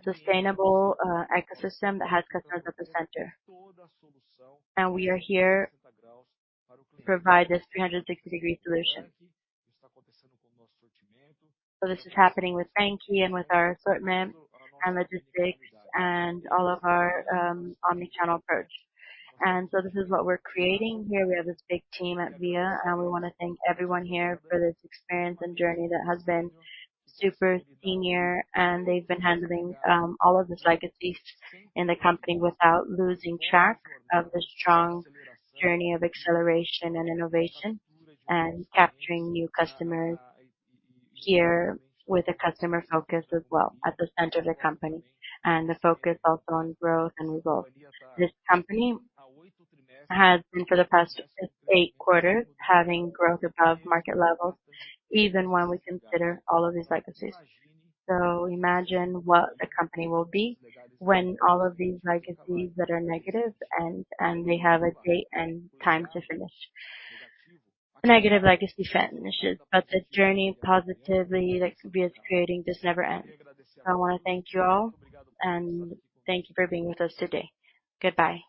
sustainable ecosystem that has customers at the center. We are here to provide this 360-degree solution. This is happening with Franke and with our assortment and logistics and all of our omni-channel approach. This is what we're creating here. We have this big team at Via, and we wanna thank everyone here for this experience and journey that has been superb. They've been handling all of these legacies in the company without losing track of the strong journey of acceleration and innovation and capturing new customers here with a customer focus as well at the center of the company. The focus also on growth and results. This company has been for the past eight quarters having growth above market levels, even when we consider all of these legacies. Imagine what the company will be when all of these legacies that are negative end, and they have a date and time to finish. The negative legacy finishes, but the journey positively that could be us creating just never ends. I wanna thank you all, and thank you for being with us today. Goodbye.